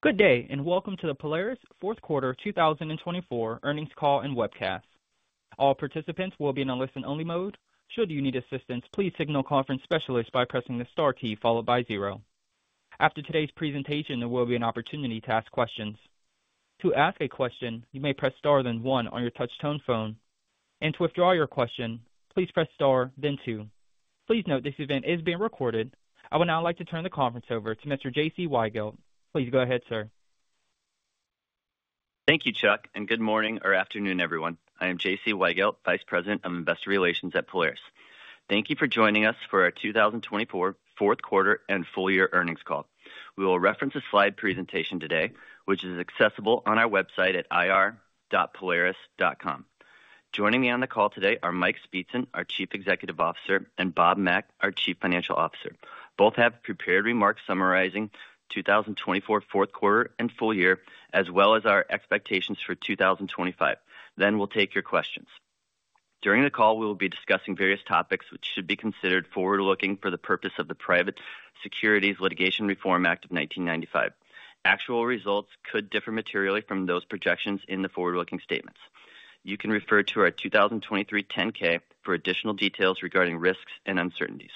Good day, and welcome to the Polaris fourth quarter 2024 earnings call and webcast. All participants will be in a listen-only mode. Should you need assistance, please signal conference specialists by pressing the star key followed by zero. After today's presentation, there will be an opportunity to ask questions. To ask a question, you may press star then one on your touch-tone phone. And to withdraw your question, please press star then two. Please note this event is being recorded. I would now like to turn the conference over to Mr. J.C. Weigelt. Please go ahead, sir. Thank you, Chuck, and good morning or afternoon, everyone. I am J.C. Weigelt, Vice President of Investor Relations at Polaris. Thank you for joining us for our 2024 fourth quarter and full-year earnings call. We will reference a slide presentation today, which is accessible on our website at ir.polaris.com. Joining me on the call today are Mike Speetzen, our Chief Executive Officer, and Bob Mack, our Chief Financial Officer. Both have prepared remarks summarizing 2024 fourth quarter and full year, as well as our expectations for 2025. Then we'll take your questions. During the call, we will be discussing various topics which should be considered forward-looking for the purpose of the Private Securities Litigation Reform Act of 1995. Actual results could differ materially from those projections in the forward-looking statements. You can refer to our 2023 10-K for additional details regarding risks and uncertainties.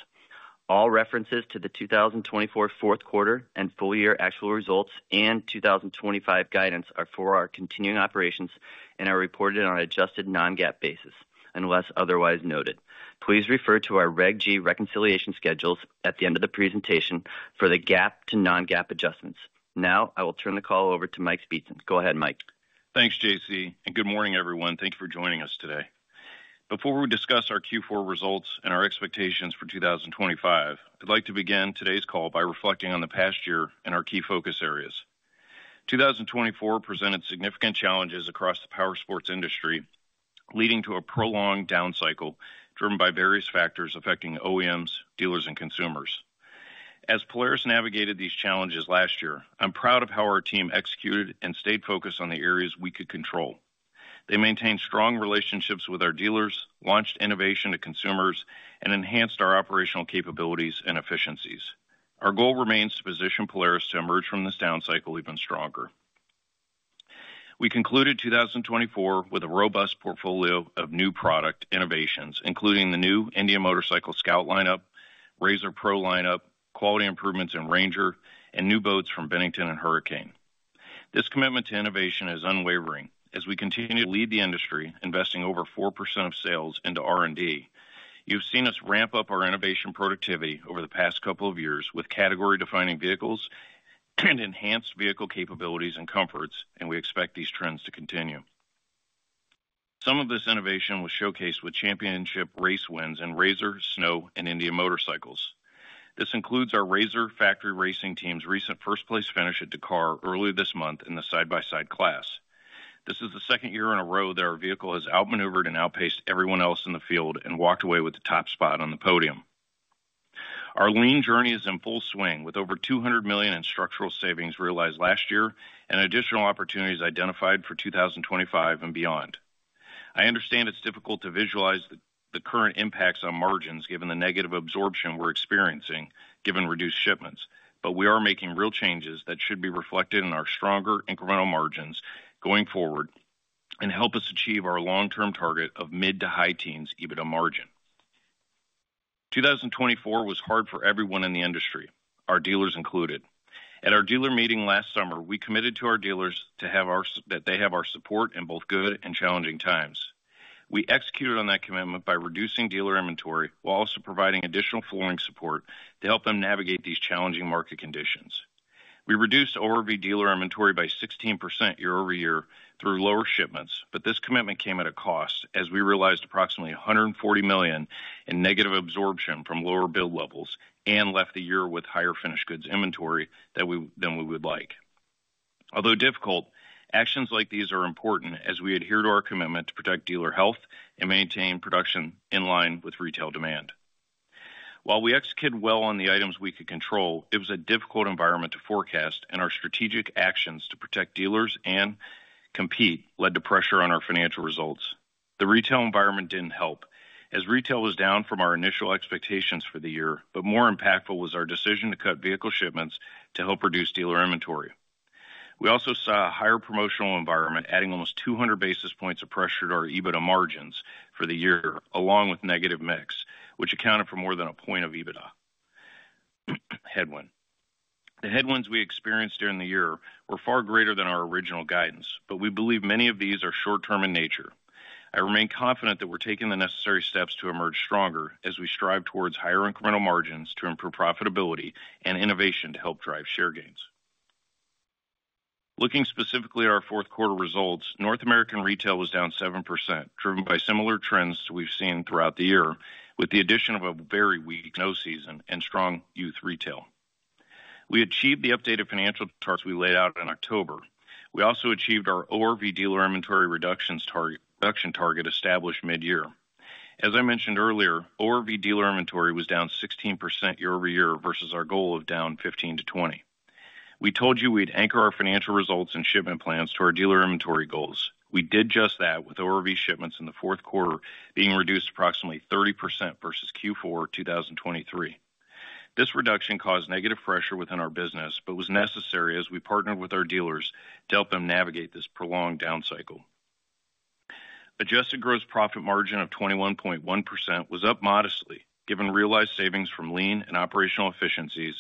All references to the 2024 fourth quarter and full-year actual results and 2025 guidance are for our continuing operations and are reported on an adjusted non-GAAP basis, unless otherwise noted. Please refer to our Reg G reconciliation schedules at the end of the presentation for the GAAP to non-GAAP adjustments. Now, I will turn the call over to Mike Speetzen. Go ahead, Mike. Thanks, J.C., and good morning, everyone. Thank you for joining us today. Before we discuss our Q4 results and our expectations for 2025, I'd like to begin today's call by reflecting on the past year and our key focus areas. 2024 presented significant challenges across the powersports industry, leading to a prolonged down cycle driven by various factors affecting OEMs, dealers, and consumers. As Polaris navigated these challenges last year, I'm proud of how our team executed and stayed focused on the areas we could control. They maintained strong relationships with our dealers, launched innovation to consumers, and enhanced our operational capabilities and efficiencies. Our goal remains to position Polaris to emerge from this down cycle even stronger. We concluded 2024 with a robust portfolio of new product innovations, including the new Indian Motorcycle Scout lineup, RZR Pro lineup, quality improvements in RANGER, and new boats from Bennington and Hurricane. This commitment to innovation is unwavering, as we continue to lead the industry, investing over four% of sales into R&D. You've seen us ramp up our innovation productivity over the past couple of years with category-defining vehicles and enhanced vehicle capabilities and comforts, and we expect these trends to continue. Some of this innovation was showcased with championship race wins in RZR, snowmobiles, and Indian Motorcycles. This includes our RZR Factory Racing Team's recent first-place finish at Dakar early this month in the side-by-side class. This is the second year in a row that our vehicle has outmaneuvered and outpaced everyone else in the field and walked away with the top spot on the podium. Our lean journey is in full swing, with over $200 million in structural savings realized last year and additional opportunities identified for 2025 and beyond. I understand it's difficult to visualize the current impacts on margins given the negative absorption we're experiencing given reduced shipments, but we are making real changes that should be reflected in our stronger incremental margins going forward and help us achieve our long-term target of mid- to high-teens EBITDA margin. 2024 was hard for everyone in the industry, our dealers included. At our dealer meeting last summer, we committed to our dealers that they have our support in both good and challenging times. We executed on that commitment by reducing dealer inventory while also providing additional flooring support to help them navigate these challenging market conditions. We reduced overall dealer inventory by 16% year over year through lower shipments, but this commitment came at a cost as we realized approximately $140 million in negative absorption from lower build levels and left the year with higher finished goods inventory than we would like. Although difficult, actions like these are important as we adhere to our commitment to protect dealer health and maintain production in line with retail demand. While we executed well on the items we could control, it was a difficult environment to forecast, and our strategic actions to protect dealers and compete led to pressure on our financial results. The retail environment didn't help, as retail was down from our initial expectations for the year, but more impactful was our decision to cut vehicle shipments to help reduce dealer inventory. We also saw a higher promotional environment, adding almost 200 basis points of pressure to our EBITDA margins for the year, along with negative mix, which accounted for more than a point of EBITDA headwind. The headwinds we experienced during the year were far greater than our original guidance, but we believe many of these are short-term in nature. I remain confident that we're taking the necessary steps to emerge stronger as we strive towards higher incremental margins to improve profitability and innovation to help drive share gains. Looking specifically at our fourth quarter results, North American retail was down 7%, driven by similar trends we've seen throughout the year with the addition of a very weak snow season and strong youth retail. We achieved the updated financial targets we laid out in October. We also achieved our ORV dealer inventory reduction target established mid-year. As I mentioned earlier, ORV dealer inventory was down 16% year over year versus our goal of down 15%-20%. We told you we'd anchor our financial results and shipment plans to our dealer inventory goals. We did just that with ORV shipments in the fourth quarter being reduced approximately 30% versus Q4 2023. This reduction caused negative pressure within our business, but was necessary as we partnered with our dealers to help them navigate this prolonged down cycle. Adjusted gross profit margin of 21.1% was up modestly, given realized savings from lean and operational efficiencies,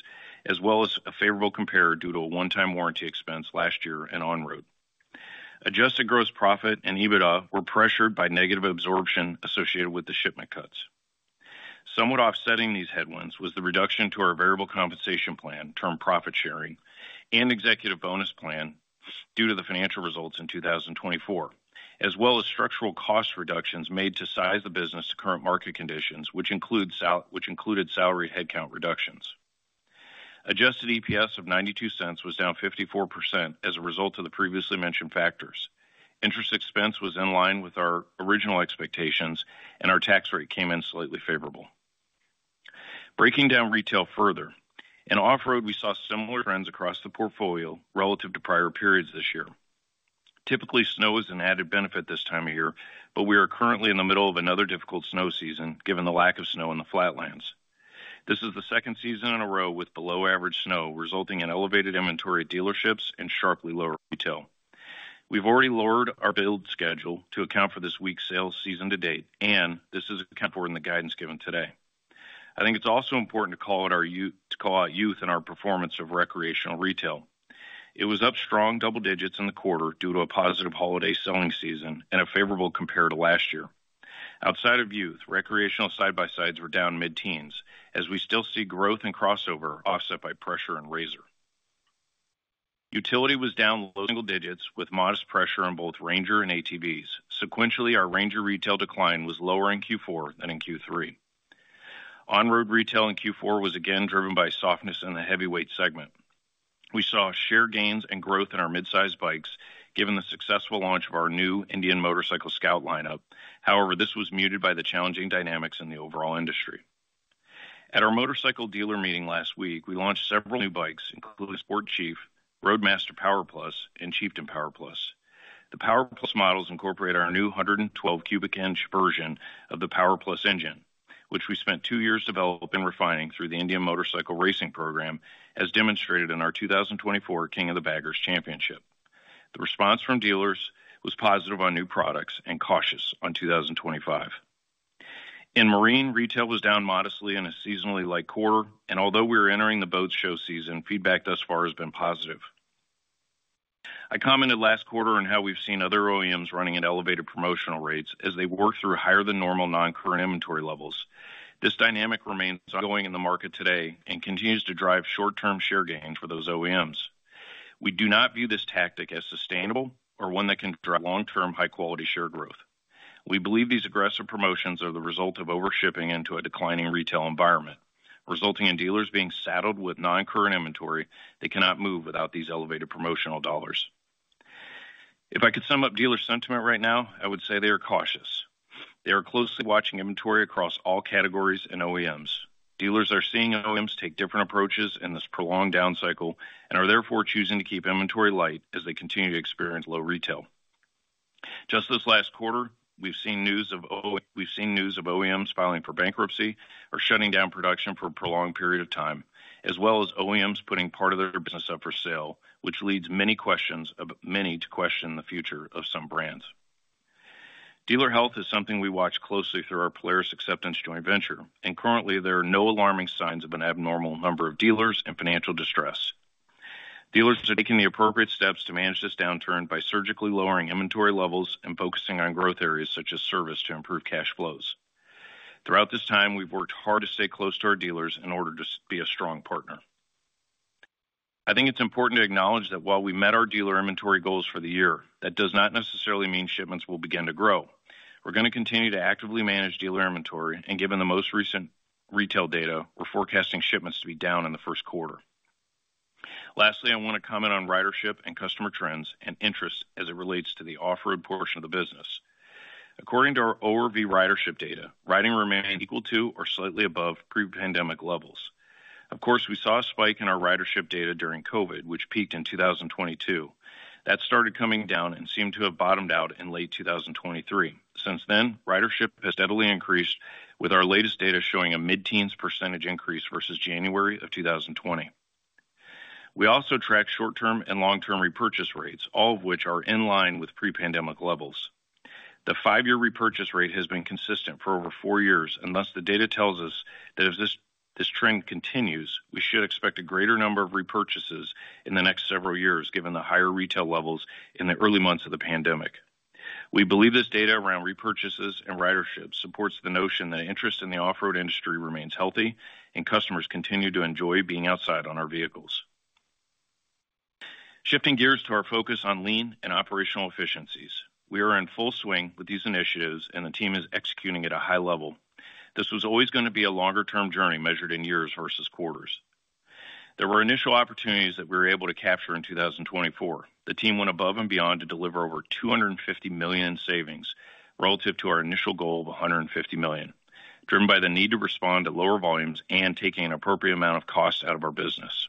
as well as a favorable comparator due to a one-time warranty expense last year and on-road. Adjusted gross profit and EBITDA were pressured by negative absorption associated with the shipment cuts. Somewhat offsetting these headwinds was the reduction to our variable compensation plan, team profit sharing, and executive bonus plan due to the financial results in 2024, as well as structural cost reductions made to size the business to current market conditions, which included salary headcount reductions. Adjusted EPS of $0.92 was down 54% as a result of the previously mentioned factors. Interest expense was in line with our original expectations, and our tax rate came in slightly favorable. Breaking down retail further, in off-road, we saw similar trends across the portfolio relative to prior periods this year. Typically, snow is an added benefit this time of year, but we are currently in the middle of another difficult snow season given the lack of snow in the flatlands. This is the second season in a row with below-average snow, resulting in elevated inventory at dealerships and sharply lower retail. We've already lowered our build schedule to account for this week's sales season to date, and this is accounted for in the guidance given today. I think it's also important to call out youth in our performance of recreational retail. It was up strong double digits in the quarter due to a positive holiday selling season and a favorable comparator to last year. Outside of youth, recreational side-by-sides were down mid-teens, as we still see growth and crossover offset by pressure in RZR. Utility was down low single digits with modest pressure in both RANGER and ATVs. Sequentially, our RANGER retail decline was lower in Q4 than in Q3. On-road retail in Q4 was again driven by softness in the heavyweight segment. We saw share gains and growth in our mid-sized bikes given the successful launch of our new Indian Motorcycle Scout lineup. However, this was muted by the challenging dynamics in the overall industry. At our motorcycle dealer meeting last week, we launched several new bikes, including Indian Sport Chief, Indian Roadmaster PowerPlus, and Chieftain PowerPlus. The PowerPlus models incorporate our new 112 cubic inch version of the PowerPlus engine, which we spent two years developing and refining through the Indian Motorcycle Racing Program, as demonstrated in our 2024 King of the Baggers Championship. The response from dealers was positive on new products and cautious on 2025. In marine, retail was down modestly in a seasonally light quarter, and although we are entering the boat show season, feedback thus far has been positive. I commented last quarter on how we've seen other OEMs running at elevated promotional rates as they work through higher than normal non-current inventory levels. This dynamic remains ongoing in the market today and continues to drive short-term share gains for those OEMs. We do not view this tactic as sustainable or one that can drive long-term high-quality share growth. We believe these aggressive promotions are the result of overshipping into a declining retail environment, resulting in dealers being saddled with non-current inventory they cannot move without these elevated promotional dollars. If I could sum up dealer sentiment right now, I would say they are cautious. They are closely watching inventory across all categories and OEMs. Dealers are seeing OEMs take different approaches in this prolonged down cycle and are therefore choosing to keep inventory light as they continue to experience low retail. Just this last quarter, we've seen news of OEMs filing for bankruptcy or shutting down production for a prolonged period of time, as well as OEMs putting part of their business up for sale, which leads many to question the future of some brands. Dealer health is something we watch closely through our Polaris Acceptance Joint Venture, and currently, there are no alarming signs of an abnormal number of dealers in financial distress. Dealers are taking the appropriate steps to manage this downturn by surgically lowering inventory levels and focusing on growth areas such as service to improve cash flows. Throughout this time, we've worked hard to stay close to our dealers in order to be a strong partner. I think it's important to acknowledge that while we met our dealer inventory goals for the year, that does not necessarily mean shipments will begin to grow. We're going to continue to actively manage dealer inventory, and given the most recent retail data, we're forecasting shipments to be down in the first quarter. Lastly, I want to comment on ridership and customer trends and interest as it relates to the off-road portion of the business. According to our ORV ridership data, riding remained equal to or slightly above pre-pandemic levels. Of course, we saw a spike in our ridership data during COVID, which peaked in 2022. That started coming down and seemed to have bottomed out in late 2023. Since then, ridership has steadily increased, with our latest data showing a mid-teens % increase versus January of 2020. We also track short-term and long-term repurchase rates, all of which are in line with pre-pandemic levels. The five-year repurchase rate has been consistent for over four years, and thus the data tells us that if this trend continues, we should expect a greater number of repurchases in the next several years given the higher retail levels in the early months of the pandemic. We believe this data around repurchases and ridership supports the notion that interest in the off-road industry remains healthy and customers continue to enjoy being outside on our vehicles. Shifting gears to our focus on lean and operational efficiencies, we are in full swing with these initiatives, and the team is executing at a high level. This was always going to be a longer-term journey measured in years versus quarters. There were initial opportunities that we were able to capture in 2024. The team went above and beyond to deliver over $250 million in savings relative to our initial goal of $150 million, driven by the need to respond to lower volumes and taking an appropriate amount of cost out of our business.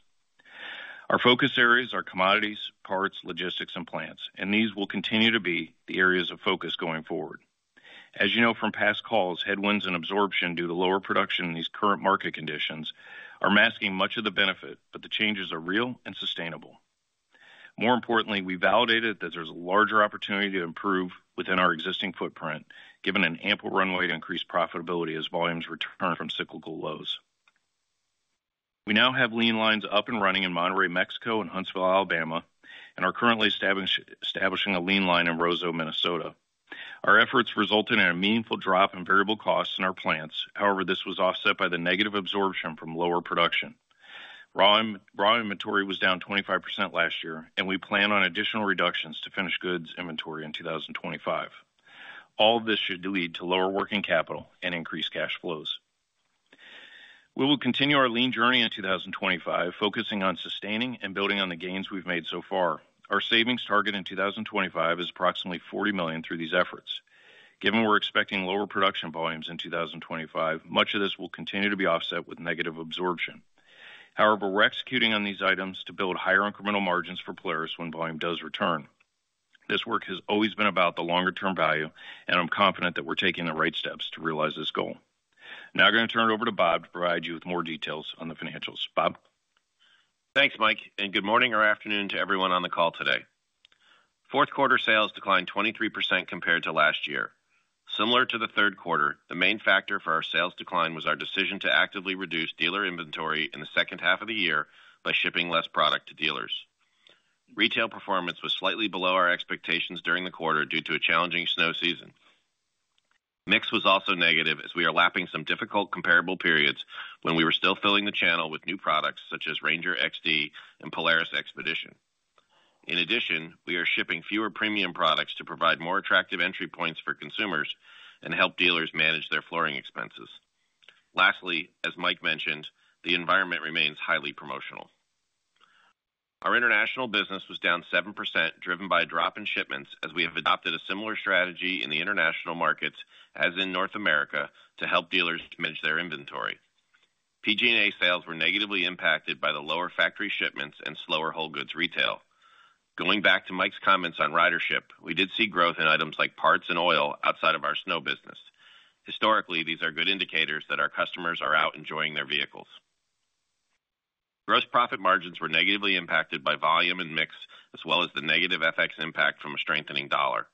Our focus areas are commodities, parts, logistics, and plants, and these will continue to be the areas of focus going forward. As you know from past calls, headwinds and absorption due to lower production in these current market conditions are masking much of the benefit, but the changes are real and sustainable. More importantly, we validated that there's a larger opportunity to improve within our existing footprint, given an ample runway to increase profitability as volumes return from cyclical lows. We now have lean lines up and running in Monterrey, Mexico, and Huntsville, Alabama, and are currently establishing a lean line in Roseau, Minnesota. Our efforts resulted in a meaningful drop in variable costs in our plants. However, this was offset by the negative absorption from lower production. Raw inventory was down 25% last year, and we plan on additional reductions to finished goods inventory in 2025. All of this should lead to lower working capital and increased cash flows. We will continue our lean journey in 2025, focusing on sustaining and building on the gains we've made so far. Our savings target in 2025 is approximately $40 million through these efforts. Given we're expecting lower production volumes in 2025, much of this will continue to be offset with negative absorption. However, we're executing on these items to build higher incremental margins for Polaris when volume does return. This work has always been about the longer-term value, and I'm confident that we're taking the right steps to realize this goal. Now I'm going to turn it over to Bob to provide you with more details on the financials. Bob. Thanks, Mike, and good morning or afternoon to everyone on the call today. Fourth quarter sales declined 23% compared to last year. Similar to the third quarter, the main factor for our sales decline was our decision to actively reduce dealer inventory in the second half of the year by shipping less product to dealers. Retail performance was slightly below our expectations during the quarter due to a challenging snow season. Mix was also negative as we are lapping some difficult comparable periods when we were still filling the channel with new products such as RANGER XD and Polaris XPEDITION. In addition, we are shipping fewer premium products to provide more attractive entry points for consumers and help dealers manage their flooring expenses. Lastly, as Mike mentioned, the environment remains highly promotional. Our international business was down 7%, driven by a drop in shipments as we have adopted a similar strategy in the international markets, as in North America, to help dealers manage their inventory. PG&A sales were negatively impacted by the lower factory shipments and slower whole goods retail. Going back to Mike's comments on ridership, we did see growth in items like parts and oil outside of our snow business. Historically, these are good indicators that our customers are out enjoying their vehicles. Gross profit margins were negatively impacted by volume and mix, as well as the negative FX impact from a strengthening dollar.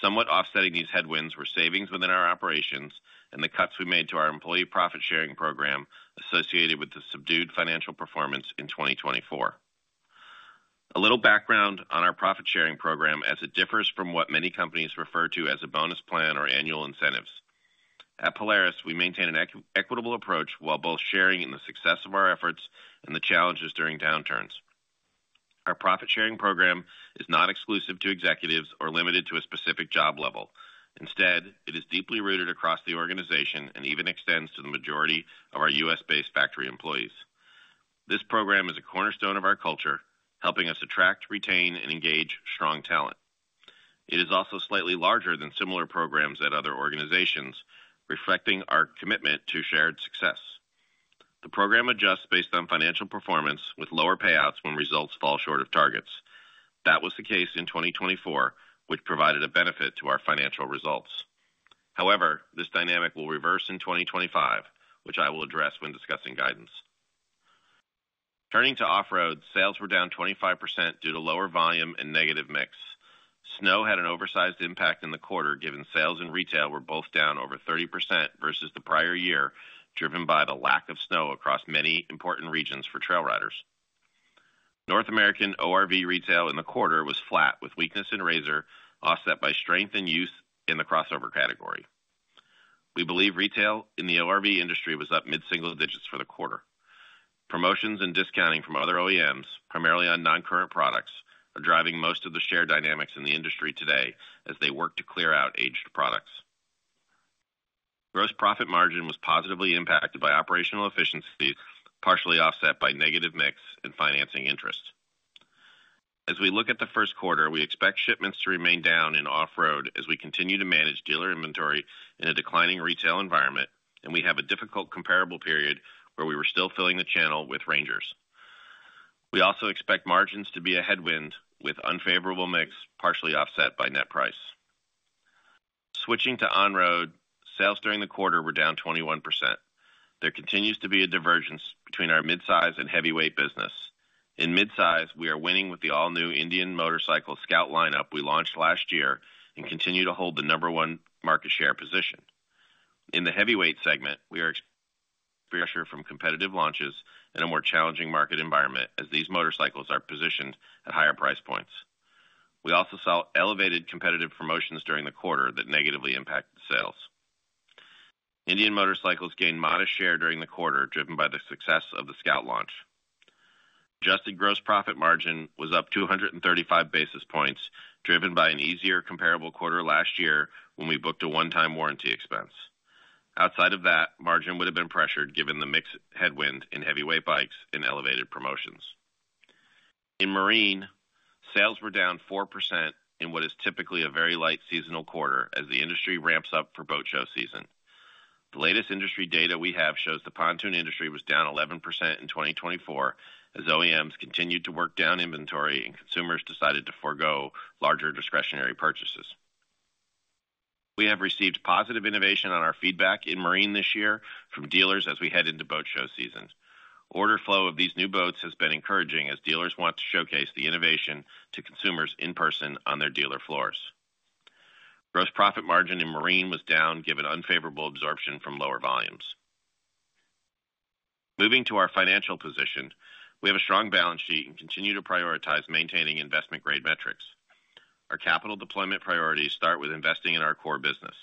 Somewhat offsetting these headwinds were savings within our operations and the cuts we made to our employee profit sharing program associated with the subdued financial performance in 2024. A little background on our profit sharing program, as it differs from what many companies refer to as a bonus plan or annual incentives. At Polaris, we maintain an equitable approach while both sharing in the success of our efforts and the challenges during downturns. Our profit sharing program is not exclusive to executives or limited to a specific job level. Instead, it is deeply rooted across the organization and even extends to the majority of our U.S.-based factory employees. This program is a cornerstone of our culture, helping us attract, retain, and engage strong talent. It is also slightly larger than similar programs at other organizations, reflecting our commitment to shared success. The program adjusts based on financial performance with lower payouts when results fall short of targets. That was the case in 2024, which provided a benefit to our financial results. However, this dynamic will reverse in 2025, which I will address when discussing guidance. Turning to off-road, sales were down 25% due to lower volume and negative mix. Snow had an oversized impact in the quarter, given sales and retail were both down over 30% versus the prior year, driven by the lack of snow across many important regions for trail riders. North American ORV retail in the quarter was flat, with weakness in RZR, offset by strength in UTVs in the crossover category. We believe retail in the ORV industry was up mid-single digits for the quarter. Promotions and discounting from other OEMs, primarily on non-current products, are driving most of the share dynamics in the industry today as they work to clear out aged products. Gross profit margin was positively impacted by operational efficiencies, partially offset by negative mix and financing interest. As we look at the first quarter, we expect shipments to remain down in off-road as we continue to manage dealer inventory in a declining retail environment, and we have a difficult comparable period where we were still filling the channel with RANGERs. We also expect margins to be a headwind with unfavorable mix, partially offset by net price. Switching to on-road, sales during the quarter were down 21%. There continues to be a divergence between our mid-size and heavyweight business. In mid-size, we are winning with the all-new Indian Motorcycle Scout lineup we launched last year and continue to hold the number one market share position. In the heavyweight segment, we are exposed to pressure from competitive launches and a more challenging market environment as these motorcycles are positioned at higher price points. We also saw elevated competitive promotions during the quarter that negatively impacted sales. Indian Motorcycle gained modest share during the quarter, driven by the success of the Scout launch. Adjusted gross profit margin was up 235 basis points, driven by an easier comparable quarter last year when we booked a one-time warranty expense. Outside of that, margin would have been pressured given the mixed headwind in heavyweight bikes and elevated promotions. In marine, sales were down 4% in what is typically a very light seasonal quarter as the industry ramps up for boat show season. The latest industry data we have shows the pontoon industry was down 11% in 2024 as OEMs continued to work down inventory and consumers decided to forgo larger discretionary purchases. We have received positive feedback on our innovations in marine this year from dealers as we head into boat show season. Order flow of these new boats has been encouraging as dealers want to showcase the innovation to consumers in person on their dealer floors. Gross profit margin in marine was down given unfavorable absorption from lower volumes. Moving to our financial position, we have a strong balance sheet and continue to prioritize maintaining investment-grade metrics. Our capital deployment priorities start with investing in our core business.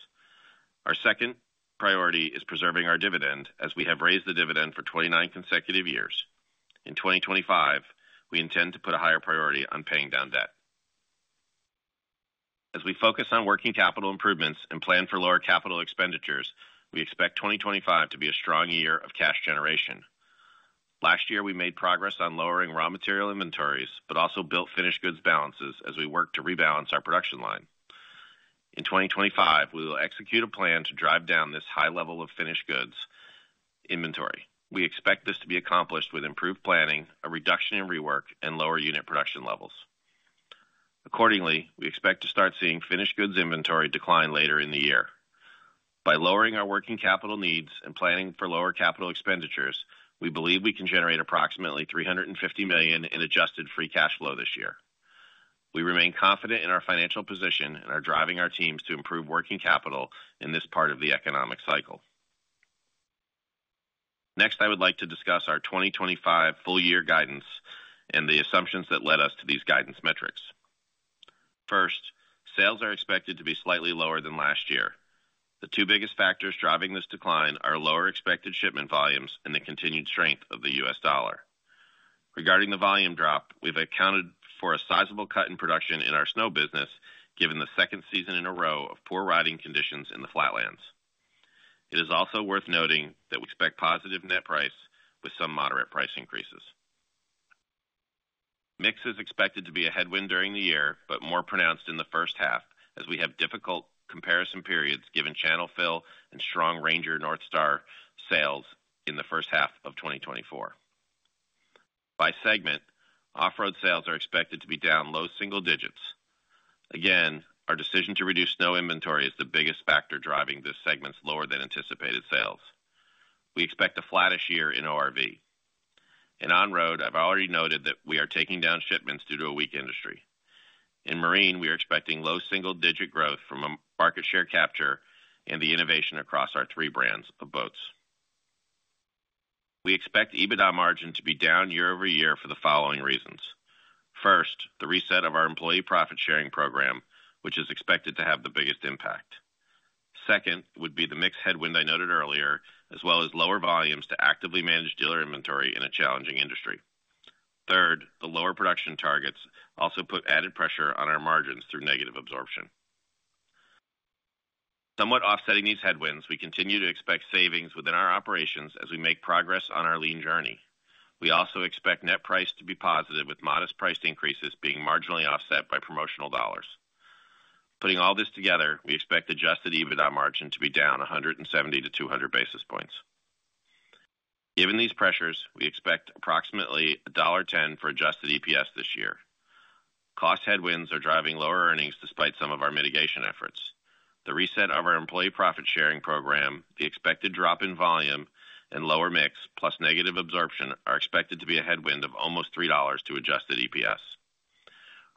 Our second priority is preserving our dividend as we have raised the dividend for 29 consecutive years. In 2025, we intend to put a higher priority on paying down debt. As we focus on working capital improvements and plan for lower capital expenditures, we expect 2025 to be a strong year of cash generation. Last year, we made progress on lowering raw material inventories, but also built finished goods balances as we worked to rebalance our production line. In 2025, we will execute a plan to drive down this high level of finished goods inventory. We expect this to be accomplished with improved planning, a reduction in rework, and lower unit production levels. Accordingly, we expect to start seeing finished goods inventory decline later in the year. By lowering our working capital needs and planning for lower capital expenditures, we believe we can generate approximately $350 million in Adjusted Free Cash Flow this year. We remain confident in our financial position and are driving our teams to improve working capital in this part of the economic cycle. Next, I would like to discuss our 2025 full-year guidance and the assumptions that led us to these guidance metrics. First, sales are expected to be slightly lower than last year. The two biggest factors driving this decline are lower expected shipment volumes and the continued strength of the U.S. dollar. Regarding the volume drop, we've accounted for a sizable cut in production in our snow business, given the second season in a row of poor riding conditions in the flatlands. It is also worth noting that we expect positive net price with some moderate price increases. Mix is expected to be a headwind during the year, but more pronounced in the first half as we have difficult comparison periods given channel fill and strong RANGER NorthStar sales in the first half of 2024. By segment, off-road sales are expected to be down low single digits. Again, our decision to reduce snow inventory is the biggest factor driving this segment's lower than anticipated sales. We expect a flattish year in ORV. In on-road, I've already noted that we are taking down shipments due to a weak industry. In marine, we are expecting low single-digit growth from market share capture and the innovation across our three brands of boats. We expect EBITDA margin to be down year over year for the following reasons. First, the reset of our employee profit sharing program, which is expected to have the biggest impact. Second, it would be the mixed headwind I noted earlier, as well as lower volumes to actively manage dealer inventory in a challenging industry. Third, the lower production targets also put added pressure on our margins through negative absorption. Somewhat offsetting these headwinds, we continue to expect savings within our operations as we make progress on our lean journey. We also expect net price to be positive, with modest price increases being marginally offset by promotional dollars. Putting all this together, we expect adjusted EBITDA margin to be down 170-200 basis points. Given these pressures, we expect approximately $1.10 for adjusted EPS this year. Cost headwinds are driving lower earnings despite some of our mitigation efforts. The reset of our employee profit sharing program, the expected drop in volume, and lower mix, plus negative absorption, are expected to be a headwind of almost $3 to adjusted EPS.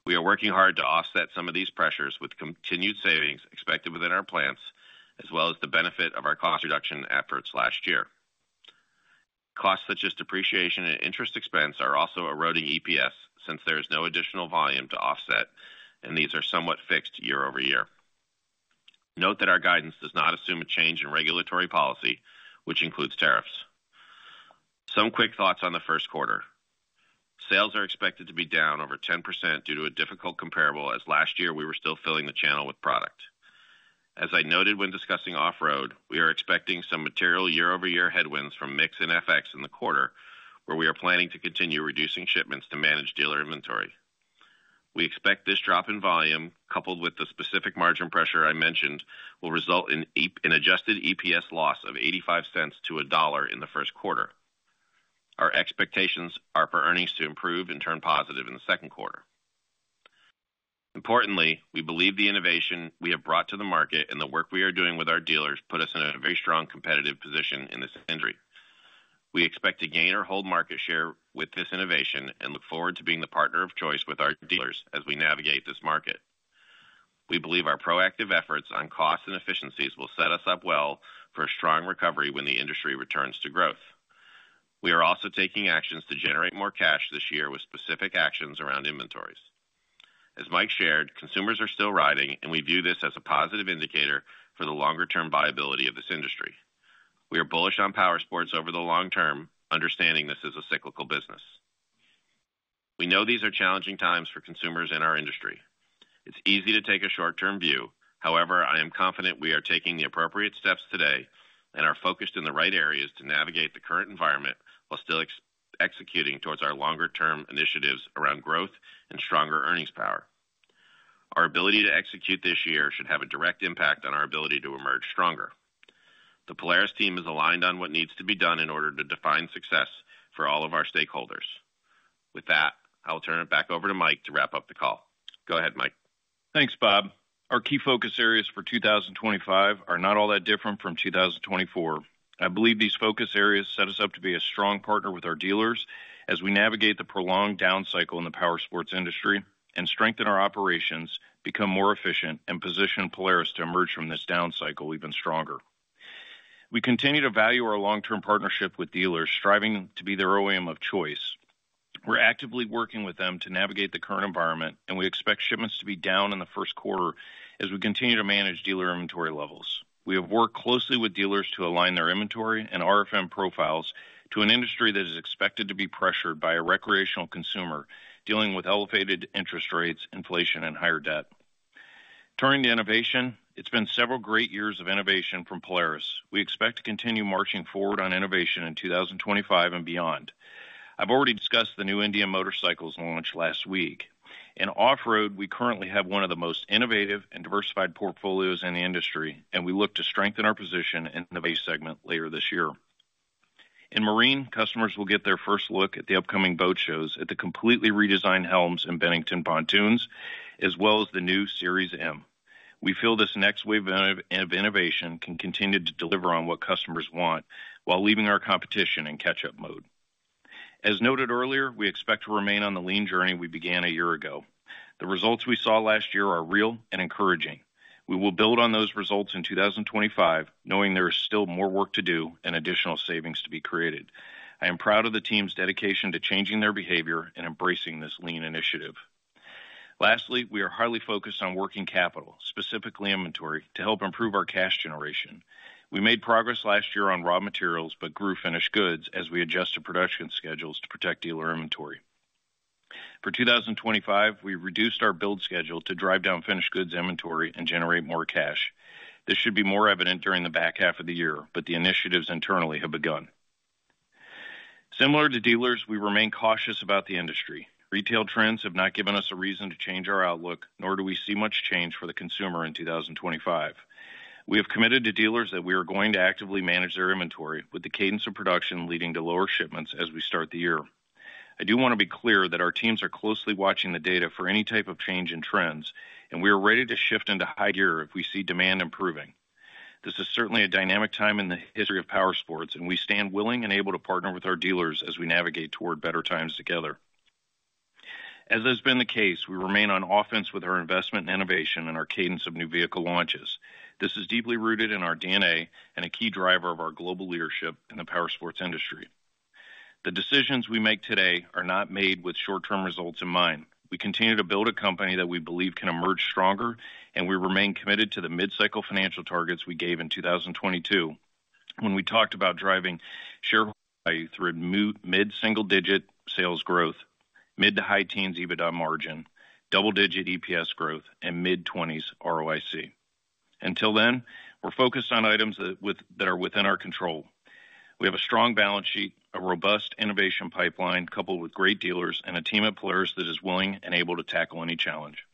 We are working hard to offset some of these pressures with continued savings expected within our plants, as well as the benefit of our cost reduction efforts last year. Costs such as depreciation and interest expense are also eroding EPS since there is no additional volume to offset, and these are somewhat fixed year over year. Note that our guidance does not assume a change in regulatory policy, which includes tariffs. Some quick thoughts on the first quarter. Sales are expected to be down over 10% due to a difficult comparable, as last year we were still filling the channel with product. As I noted when discussing off-road, we are expecting some material year-over-year headwinds from mix and FX in the quarter, where we are planning to continue reducing shipments to manage dealer inventory. We expect this drop in volume, coupled with the specific margin pressure I mentioned, will result in an Adjusted EPS loss of $0.85-$1.00 in the first quarter. Our expectations are for earnings to improve and turn positive in the second quarter. Importantly, we believe the innovation we have brought to the market and the work we are doing with our dealers put us in a very strong competitive position in this industry. We expect to gain or hold market share with this innovation and look forward to being the partner of choice with our dealers as we navigate this market. We believe our proactive efforts on costs and efficiencies will set us up well for a strong recovery when the industry returns to growth. We are also taking actions to generate more cash this year with specific actions around inventories. As Mike shared, consumers are still riding, and we view this as a positive indicator for the longer-term viability of this industry. We are bullish on power sports over the long term, understanding this is a cyclical business. We know these are challenging times for consumers in our industry. It's easy to take a short-term view. However, I am confident we are taking the appropriate steps today and are focused in the right areas to navigate the current environment while still executing towards our longer-term initiatives around growth and stronger earnings power. Our ability to execute this year should have a direct impact on our ability to emerge stronger. The Polaris team is aligned on what needs to be done in order to define success for all of our stakeholders. With that, I'll turn it back over to Mike to wrap up the call. Go ahead, Mike. Thanks, Bob. Our key focus areas for 2025 are not all that different from 2024. I believe these focus areas set us up to be a strong partner with our dealers as we navigate the prolonged down cycle in the power sports industry and strengthen our operations, become more efficient, and position Polaris to emerge from this down cycle even stronger. We continue to value our long-term partnership with dealers, striving to be their OEM of choice. We're actively working with them to navigate the current environment, and we expect shipments to be down in the first quarter as we continue to manage dealer inventory levels. We have worked closely with dealers to align their inventory and RFM profiles to an industry that is expected to be pressured by a recreational consumer dealing with elevated interest rates, inflation, and higher debt. Turning to innovation, it's been several great years of innovation from Polaris. We expect to continue marching forward on innovation in 2025 and beyond. I've already discussed the new Indian Motorcycles launch last week. In off-road, we currently have one of the most innovative and diversified portfolios in the industry, and we look to strengthen our position in the base segment later this year. In marine, customers will get their first look at the upcoming boat shows at the completely redesigned helms and Bennington pontoons, as well as the new Series M. We feel this next wave of innovation can continue to deliver on what customers want while leaving our competition in catch-up mode. As noted earlier, we expect to remain on the lean journey we began a year ago. The results we saw last year are real and encouraging. We will build on those results in 2025, knowing there is still more work to do and additional savings to be created. I am proud of the team's dedication to changing their behavior and embracing this Lean initiative. Lastly, we are highly focused on working capital, specifically inventory, to help improve our cash generation. We made progress last year on raw materials but grew finished goods as we adjusted production schedules to protect dealer inventory. For 2025, we reduced our build schedule to drive down finished goods inventory and generate more cash. This should be more evident during the back half of the year, but the initiatives internally have begun. Similar to dealers, we remain cautious about the industry. Retail trends have not given us a reason to change our outlook, nor do we see much change for the consumer in 2025. We have committed to dealers that we are going to actively manage their inventory, with the cadence of production leading to lower shipments as we start the year. I do want to be clear that our teams are closely watching the data for any type of change in trends, and we are ready to shift into high gear if we see demand improving. This is certainly a dynamic time in the history of power sports, and we stand willing and able to partner with our dealers as we navigate toward better times together. As has been the case, we remain on offense with our investment in innovation and our cadence of new vehicle launches. This is deeply rooted in our DNA and a key driver of our global leadership in the power sports industry. The decisions we make today are not made with short-term results in mind. We continue to build a company that we believe can emerge stronger, and we remain committed to the mid-cycle financial targets we gave in 2022 when we talked about driving shareholder value through mid-single-digit sales growth, mid- to high-teens EBITDA margin, double-digit EPS growth, and mid-20s ROIC. Until then, we're focused on items that are within our control. We have a strong balance sheet, a robust innovation pipeline coupled with great dealers, and a team of players that is willing and able to tackle any challenge.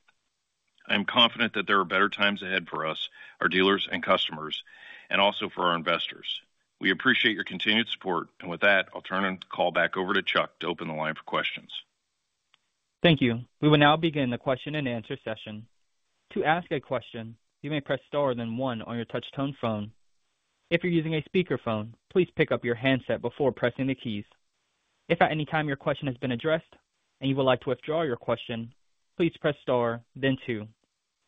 I am confident that there are better times ahead for us, our dealers and customers, and also for our investors. We appreciate your continued support, and with that, I'll turn the call back over to Chuck to open the line for questions. Thank you. We will now begin the question-and-answer session. To ask a question, you may press Star then One on your touch-tone phone. If you're using a speakerphone, please pick up your handset before pressing the keys. If at any time your question has been addressed and you would like to withdraw your question, please press Star, then Two.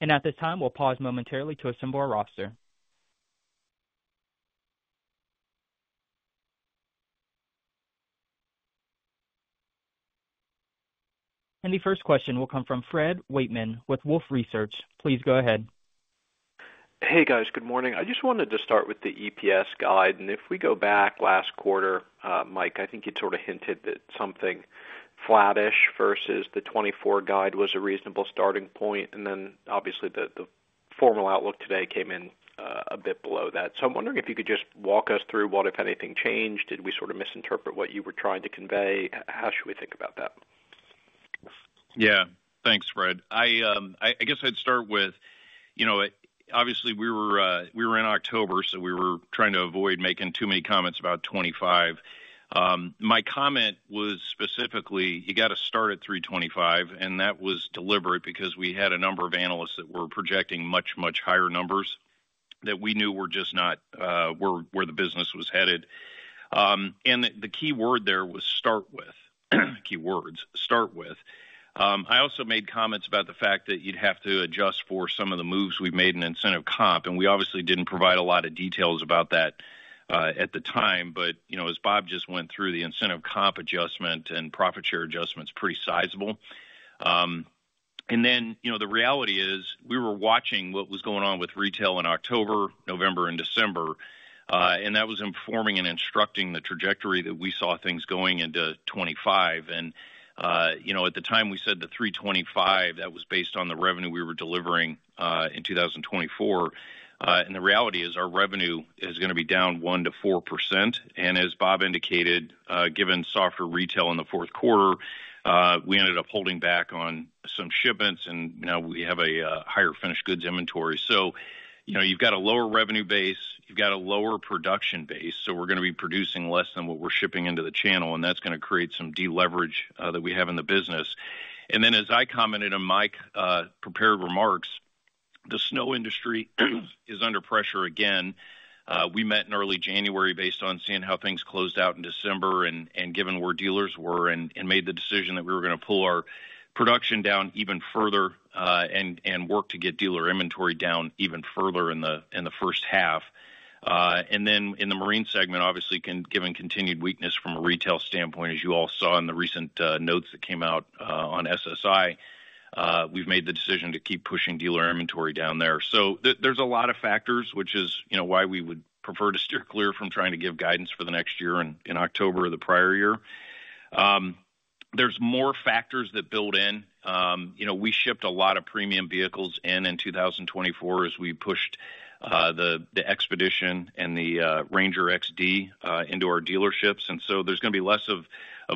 And at this time, we'll pause momentarily to assemble our roster. And the first question will come from Fred Wightman with Wolfe Research. Please go ahead. Hey, guys. Good morning. I just wanted to start with the EPS guide. And if we go back last quarter, Mike, I think you'd sort of hinted that something flattish versus the '24 guide was a reasonable starting point. And then obviously, the formal outlook today came in a bit below that. So I'm wondering if you could just walk us through what, if anything, changed. Did we sort of misinterpret what you were trying to convey? How should we think about that? Yeah. Thanks, Fred. I guess I'd start with, obviously, we were in October, so we were trying to avoid making too many comments about '25. My comment was specifically, "You got to start at 325," and that was deliberate because we had a number of analysts that were projecting much, much higher numbers that we knew were just not where the business was headed. And the key word there was start with, key words, start with. I also made comments about the fact that you'd have to adjust for some of the moves we've made in incentive comp, and we obviously didn't provide a lot of details about that at the time. But as Bob just went through, the incentive comp adjustment and profit share adjustment is pretty sizable. And then the reality is we were watching what was going on with retail in October, November, and December, and that was informing and instructing the trajectory that we saw things going into 2025. And at the time, we said the 325, that was based on the revenue we were delivering in 2024. And the reality is our revenue is going to be down 1%-4%. And as Bob indicated, given softer retail in the fourth quarter, we ended up holding back on some shipments, and now we have a higher finished goods inventory. So you've got a lower revenue base, you've got a lower production base, so we're going to be producing less than what we're shipping into the channel, and that's going to create some deleverage that we have in the business. Then as I commented on Mike's prepared remarks, the snow industry is under pressure again. We met in early January based on seeing how things closed out in December and given where dealers were and made the decision that we were going to pull our production down even further and work to get dealer inventory down even further in the first half. In the marine segment, obviously, given continued weakness from a retail standpoint, as you all saw in the recent notes that came out on SSI, we've made the decision to keep pushing dealer inventory down there. There's a lot of factors, which is why we would prefer to steer clear from trying to give guidance for the next year in October of the prior year. There's more factors that build in. We shipped a lot of premium vehicles in 2024 as we pushed the XPEDITION and the RANGER XD into our dealerships, and so there's going to be less of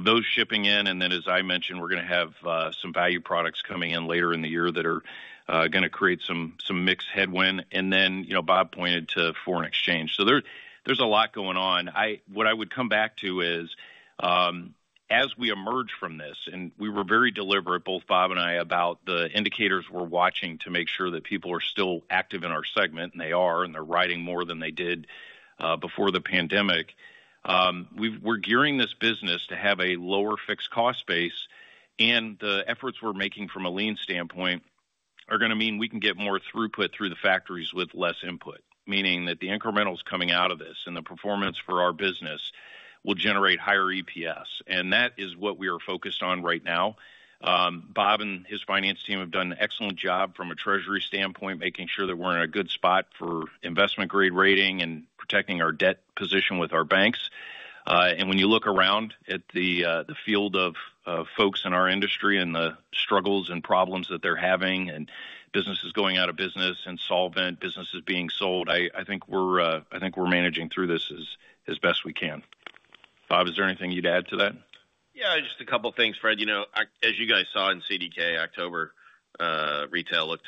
those shipping in. Then, as I mentioned, we're going to have some value products coming in later in the year that are going to create some mix headwind. Then Bob pointed to foreign exchange. There's a lot going on. What I would come back to is, as we emerge from this, we were very deliberate, both Bob and I, about the indicators we're watching to make sure that people are still active in our segment, and they are, and they're riding more than they did before the pandemic. We're gearing this business to have a lower fixed cost base, and the efforts we're making from a lean standpoint are going to mean we can get more throughput through the factories with less input, meaning that the incrementals coming out of this and the performance for our business will generate higher EPS. And that is what we are focused on right now. Bob and his finance team have done an excellent job from a treasury standpoint, making sure that we're in a good spot for investment-grade rating and protecting our debt position with our banks. And when you look around at the field of folks in our industry and the struggles and problems that they're having and businesses going out of business and solvent businesses being sold, I think we're managing through this as best we can. Bob, is there anything you'd add to that? Yeah, just a couple of things, Fred. As you guys saw in CDK, October retail looked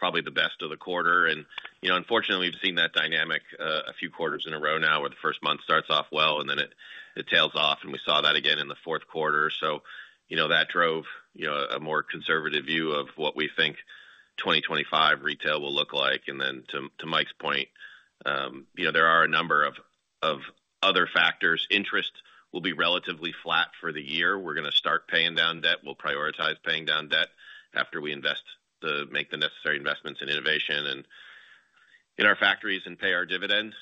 probably the best of the quarter. And unfortunately, we've seen that dynamic a few quarters in a row now, where the first month starts off well, and then it tails off. And we saw that again in the fourth quarter. So that drove a more conservative view of what we think 2025 retail will look like. And then to Mike's point, there are a number of other factors. Interest will be relatively flat for the year. We're going to start paying down debt. We'll prioritize paying down debt after we make the necessary investments in innovation and in our factories and pay our dividend.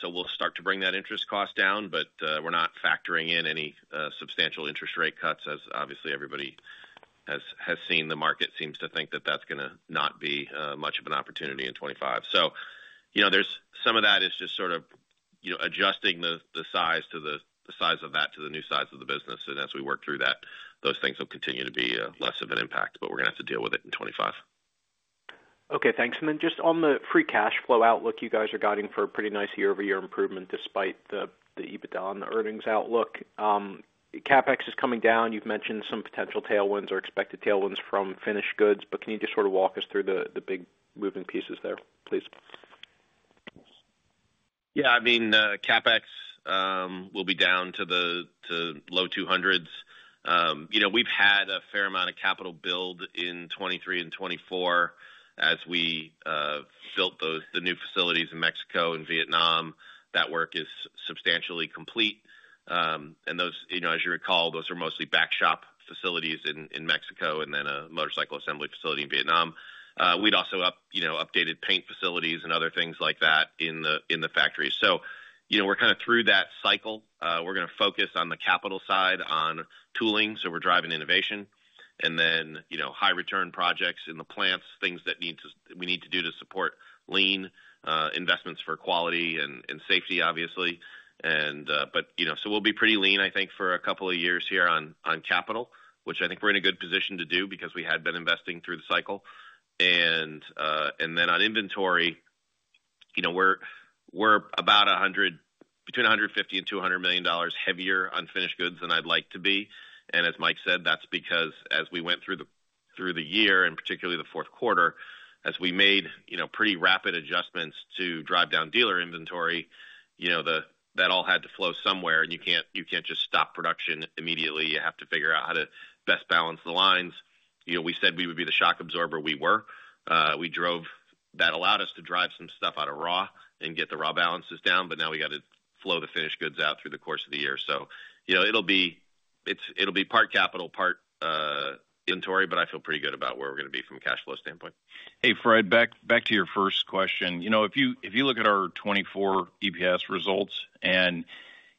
So we'll start to bring that interest cost down, but we're not factoring in any substantial interest rate cuts, as obviously everybody has seen. The market seems to think that that's going to not be much of an opportunity in 2025. So some of that is just sort of adjusting the size of that to the new size of the business. And as we work through that, those things will continue to be less of an impact, but we're going to have to deal with it in 2025. Okay. Thanks. And then just on the free cash flow outlook, you guys are guiding for a pretty nice year-over-year improvement despite the EBITDA on the earnings outlook. CapEx is coming down. You've mentioned some potential tailwinds or expected tailwinds from finished goods, but can you just sort of walk us through the big moving pieces there, please? Yeah. I mean, CapEx will be down to the low 200s. We've had a fair amount of capital build in 2023 and 2024 as we built the new facilities in Mexico and Vietnam. That work is substantially complete, and as you recall, those are mostly back shop facilities in Mexico and then a motorcycle assembly facility in Vietnam. We'd also updated paint facilities and other things like that in the factory, so we're kind of through that cycle. We're going to focus on the capital side, on tooling, so we're driving innovation, and then high-return projects in the plants, things that we need to do to support lean investments for quality and safety, obviously, but so we'll be pretty lean, I think, for a couple of years here on capital, which I think we're in a good position to do because we had been investing through the cycle. And then on inventory, we're about between $150 and $200 million heavier on finished goods than I'd like to be. And as Mike said, that's because as we went through the year and particularly the fourth quarter, as we made pretty rapid adjustments to drive down dealer inventory, that all had to flow somewhere. And you can't just stop production immediately. You have to figure out how to best balance the lines. We said we would be the shock absorber. We were. That allowed us to drive some stuff out of raw and get the raw balances down, but now we got to flow the finished goods out through the course of the year. So it'll be part capital, part inventory, but I feel pretty good about where we're going to be from a cash flow standpoint. Hey, Fred, back to your first question. If you look at our 2024 EPS results and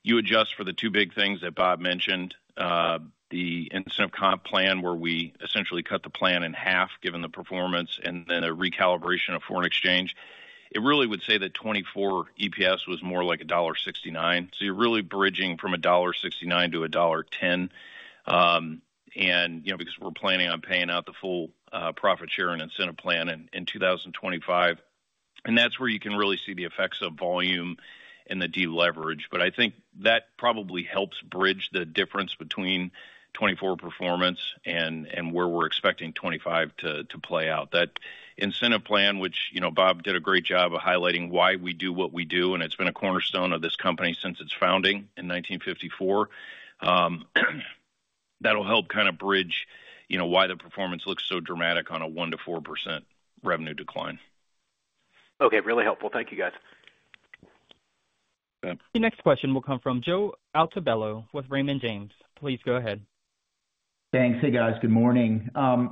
you adjust for the two big things that Bob mentioned, the incentive comp plan where we essentially cut the plan in half given the performance and then a recalibration of foreign exchange, it really would say that 2024 EPS was more like $1.69. So you're really bridging from $1.69 to $1.10 because we're planning on paying out the full profit share and incentive plan in 2025. And that's where you can really see the effects of volume and the deleverage. But I think that probably helps bridge the difference between 2024 performance and where we're expecting 2025 to play out. That incentive plan, which Bob did a great job of highlighting why we do what we do, and it's been a cornerstone of this company since its founding in 1954, that'll help kind of bridge why the performance looks so dramatic on a 1%-4% revenue decline. Okay. Really helpful. Thank you, guys. The next question will come from Joe Altobello with Raymond James. Please go ahead. Thanks. Hey, guys. Good morning. I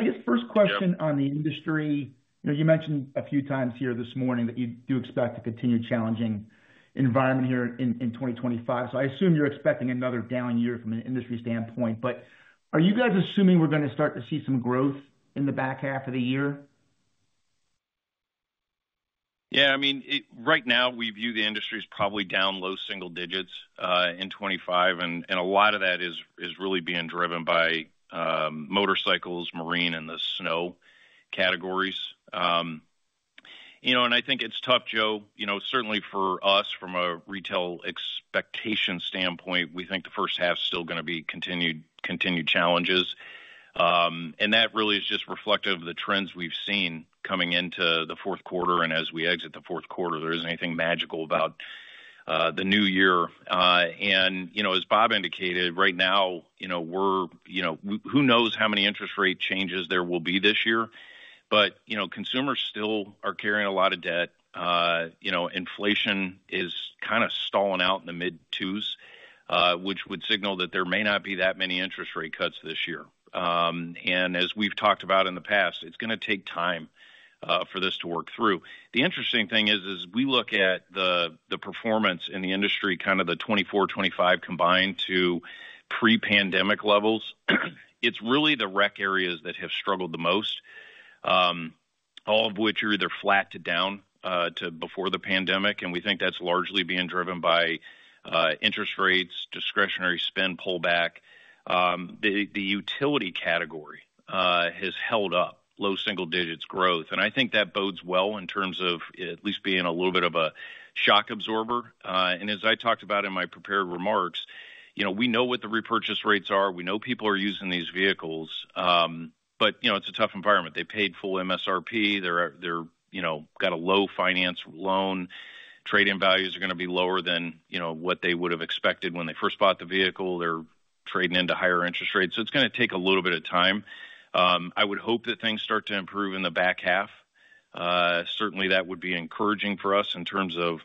guess first question on the industry, you mentioned a few times here this morning that you do expect a continued challenging environment here in 2025. So I assume you're expecting another down year from an industry standpoint. But are you guys assuming we're going to start to see some growth in the back half of the year? Yeah. I mean, right now, we view the industry as probably down low single digits in 2025. A lot of that is really being driven by motorcycles, marine, and the snow categories. I think it's tough, Joe. Certainly for us, from a retail expectation standpoint, we think the first half is still going to be continued challenges. That really is just reflective of the trends we've seen coming into the fourth quarter. As we exit the fourth quarter, there isn't anything magical about the new year. As Bob indicated, right now, who knows how many interest rate changes there will be this year? Consumers still are carrying a lot of debt. Inflation is kind of stalling out in the mid-2s, which would signal that there may not be that many interest rate cuts this year. As we've talked about in the past, it's going to take time for this to work through. The interesting thing is, as we look at the performance in the industry, kind of the 2024, 2025 combined to pre-pandemic levels, it's really the rec areas that have struggled the most, all of which are either flat to down to before the pandemic. We think that's largely being driven by interest rates, discretionary spend pullback. The utility category has held up low single digits growth. I think that bodes well in terms of at least being a little bit of a shock absorber. As I talked about in my prepared remarks, we know what the repurchase rates are. We know people are using these vehicles, but it's a tough environment. They paid full MSRP. They've got a low finance loan. Trading values are going to be lower than what they would have expected when they first bought the vehicle. They're trading into higher interest rates. It's going to take a little bit of time. I would hope that things start to improve in the back half. Certainly, that would be encouraging for us in terms of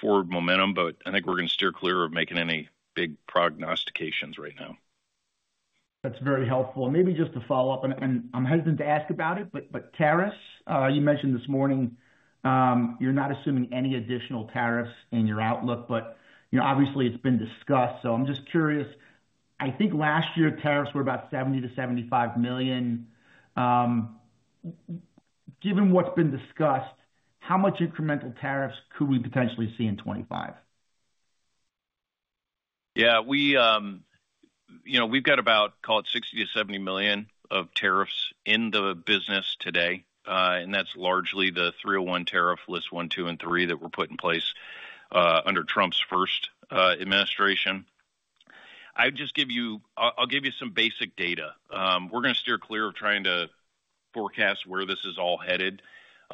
forward momentum, but I think we're going to steer clear of making any big prognostications right now. That's very helpful. And maybe just to follow up, and I'm hesitant to ask about it, but tariffs, you mentioned this morning, you're not assuming any additional tariffs in your outlook, but obviously, it's been discussed. So I'm just curious. I think last year, tariffs were about $70-$75 million. Given what's been discussed, how much incremental tariffs could we potentially see in 2025? Yeah. We've got about, call it $60-$70 million of tariffs in the business today. And that's largely the 301 tariff, list one, two, and three that were put in place under Trump's first administration. I'll give you some basic data. We're going to steer clear of trying to forecast where this is all headed.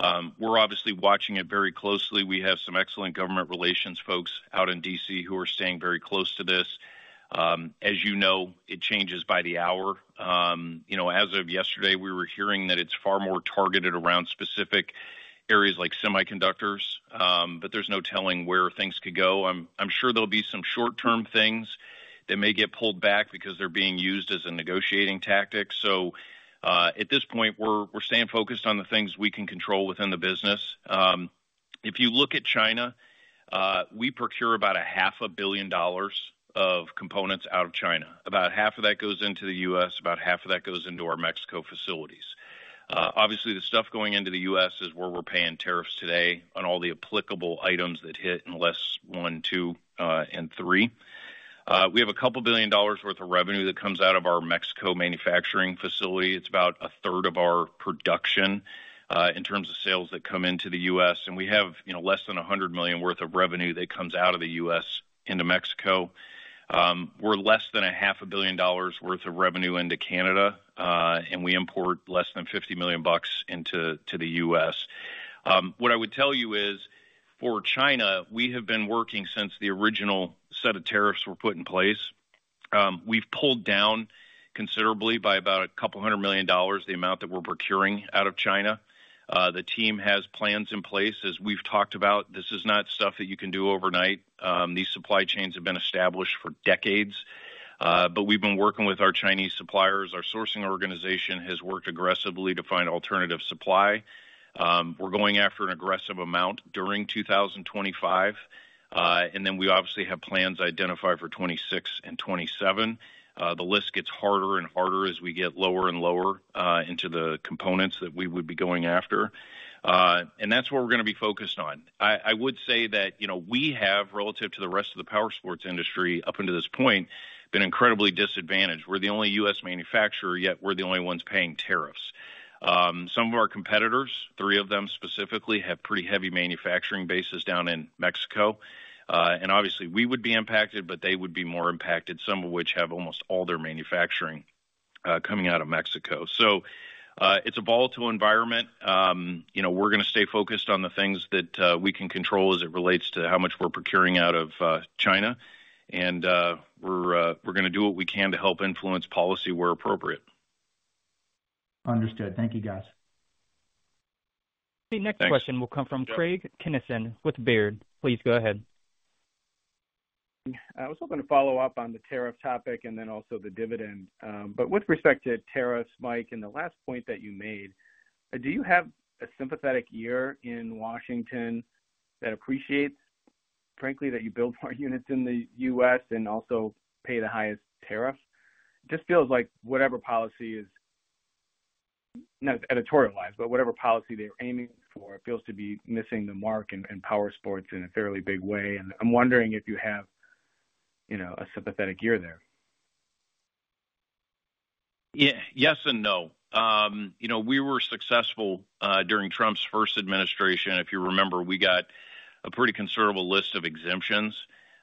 We're obviously watching it very closely. We have some excellent government relations folks out in D.C. who are staying very close to this. As you know, it changes by the hour. As of yesterday, we were hearing that it's far more targeted around specific areas like semiconductors, but there's no telling where things could go. I'm sure there'll be some short-term things that may get pulled back because they're being used as a negotiating tactic. So at this point, we're staying focused on the things we can control within the business. If you look at China, we procure about $500 million of components out of China. About half of that goes into the U.S. About half of that goes into our Mexico facilities. Obviously, the stuff going into the U.S. is where we're paying tariffs today on all the applicable items that hit in list one, two, and three. We have $2 billion worth of revenue that comes out of our Mexico manufacturing facility. It's about a third of our production in terms of sales that come into the U.S., and we have less than $100 million worth of revenue that comes out of the U.S. into Mexico. We're less than $500 million worth of revenue into Canada, and we import less than $50 million bucks into the U.S. What I would tell you is, for China, we have been working since the original set of tariffs were put in place. We've pulled down considerably by about $200 million, the amount that we're procuring out of China. The team has plans in place. As we've talked about, this is not stuff that you can do overnight. These supply chains have been established for decades. But we've been working with our Chinese suppliers. Our sourcing organization has worked aggressively to find alternative supply. We're going after an aggressive amount during 2025. And then we obviously have plans identified for 2026 and 2027. The list gets harder and harder as we get lower and lower into the components that we would be going after. And that's what we're going to be focused on. I would say that we have, relative to the rest of the power sports industry up until this point, been incredibly disadvantaged. We're the only U.S. manufacturer, yet we're the only ones paying tariffs. Some of our competitors, three of them specifically, have pretty heavy manufacturing bases down in Mexico. And obviously, we would be impacted, but they would be more impacted, some of which have almost all their manufacturing coming out of Mexico. So it's a volatile environment. We're going to stay focused on the things that we can control as it relates to how much we're procuring out of China. And we're going to do what we can to help influence policy where appropriate. Understood. Thank you, guys. The next question will come from Craig Kennison with Baird. Please go ahead. I was hoping to follow up on the tariff topic and then also the dividend. But with respect to tariffs, Mike, and the last point that you made, do you have a sympathetic ear in Washington that appreciates, frankly, that you build more units in the U.S. and also pay the highest tariff? It just feels like whatever policy is, not editorialized, but whatever policy they're aiming for, it feels to be missing the mark in power sports in a fairly big way, and I'm wondering if you have a sympathetic ear there. Yes and no. We were successful during Trump's first administration. If you remember, we got a pretty considerable list of exemptions,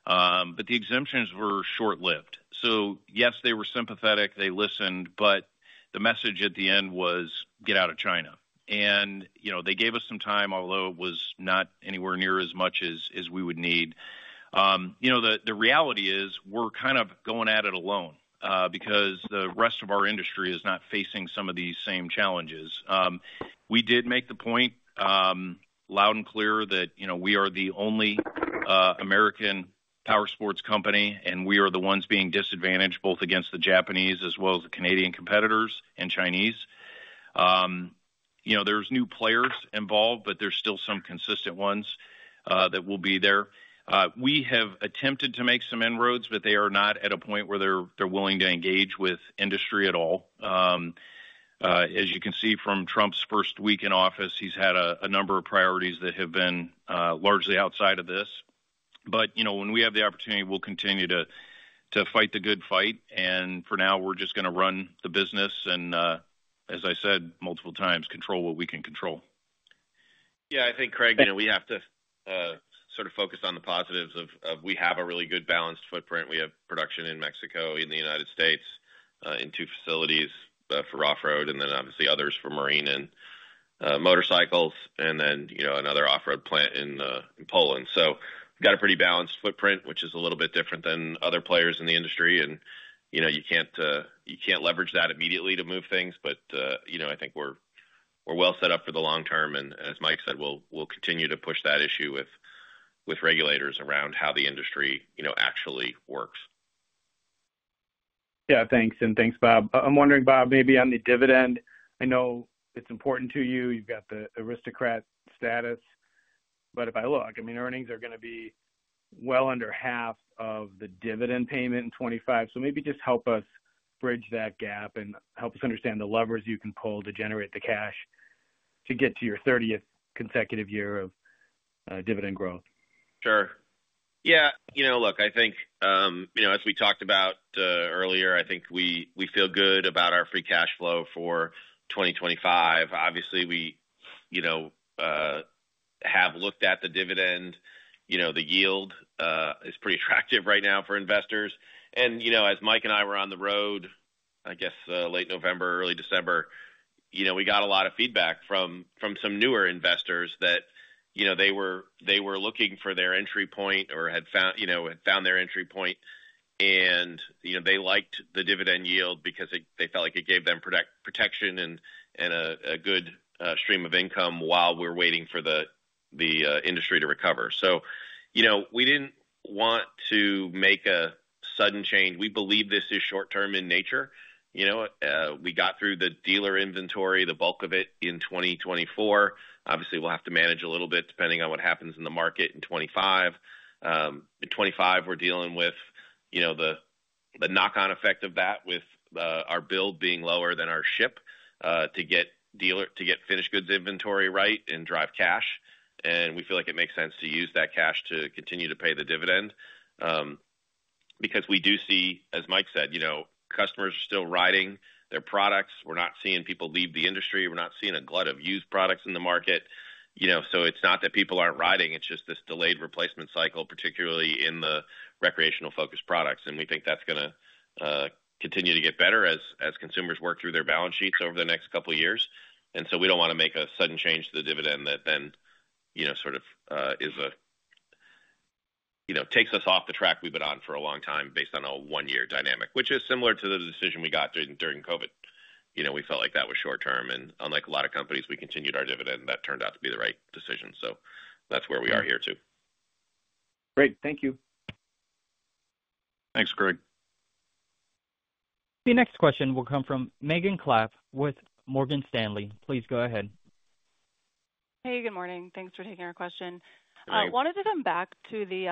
but the exemptions were short-lived, so yes, they were sympathetic. They listened, but the message at the end was, "Get out of China," and they gave us some time, although it was not anywhere near as much as we would need. The reality is we're kind of going at it alone because the rest of our industry is not facing some of these same challenges. We did make the point loud and clear that we are the only American power sports company, and we are the ones being disadvantaged both against the Japanese as well as the Canadian competitors and Chinese. There's new players involved, but there's still some consistent ones that will be there. We have attempted to make some inroads, but they are not at a point where they're willing to engage with industry at all. As you can see from Trump's first week in office, he's had a number of priorities that have been largely outside of this, but when we have the opportunity, we'll continue to fight the good fight, and for now, we're just going to run the business and, as I said multiple times, control what we can control. Yeah. I think, Craig, we have to sort of focus on the positives of we have a really good balanced footprint. We have production in Mexico, in the United States, in two facilities for off-road, and then obviously others for marine and motorcycles, and then another off-road plant in Poland. So we've got a pretty balanced footprint, which is a little bit different than other players in the industry. And you can't leverage that immediately to move things, but I think we're well set up for the long term. And as Mike said, we'll continue to push that issue with regulators around how the industry actually works. Yeah. Thanks. And thanks, Bob. I'm wondering, Bob, maybe on the dividend. I know it's important to you. You've got the aristocrat status. But if I look, I mean, earnings are going to be well under half of the dividend payment in 2025. So maybe just help us bridge that gap and help us understand the levers you can pull to generate the cash to get to your 30th consecutive year of dividend growth. Sure. Yeah. Look, I think as we talked about earlier, I think we feel good about our free cash flow for 2025. Obviously, we have looked at the dividend. The yield is pretty attractive right now for investors. And as Mike and I were on the road, I guess late November, early December, we got a lot of feedback from some newer investors that they were looking for their entry point or had found their entry point. And they liked the dividend yield because they felt like it gave them protection and a good stream of income while we're waiting for the industry to recover. So we didn't want to make a sudden change. We believe this is short-term in nature. We got through the dealer inventory, the bulk of it, in 2024. Obviously, we'll have to manage a little bit depending on what happens in the market in 2025. In 2025, we're dealing with the knock-on effect of that with our build being lower than our ship to get finished goods inventory right and drive cash. And we feel like it makes sense to use that cash to continue to pay the dividend because we do see, as Mike said, customers are still riding their products. We're not seeing people leave the industry. We're not seeing a glut of used products in the market. So it's not that people aren't riding. It's just this delayed replacement cycle, particularly in the recreational-focused products. And we think that's going to continue to get better as consumers work through their balance sheets over the next couple of years. And so we don't want to make a sudden change to the dividend that then sort of takes us off the track we've been on for a long time based on a one-year dynamic, which is similar to the decision we got during COVID. We felt like that was short-term. And unlike a lot of companies, we continued our dividend. That turned out to be the right decision. So that's where we are here too. Great. Thank you. Thanks, Craig. The next question will come from Megan Clapp with Morgan Stanley. Please go ahead. Hey, good morning. Thanks for taking our question. I wanted to come back to the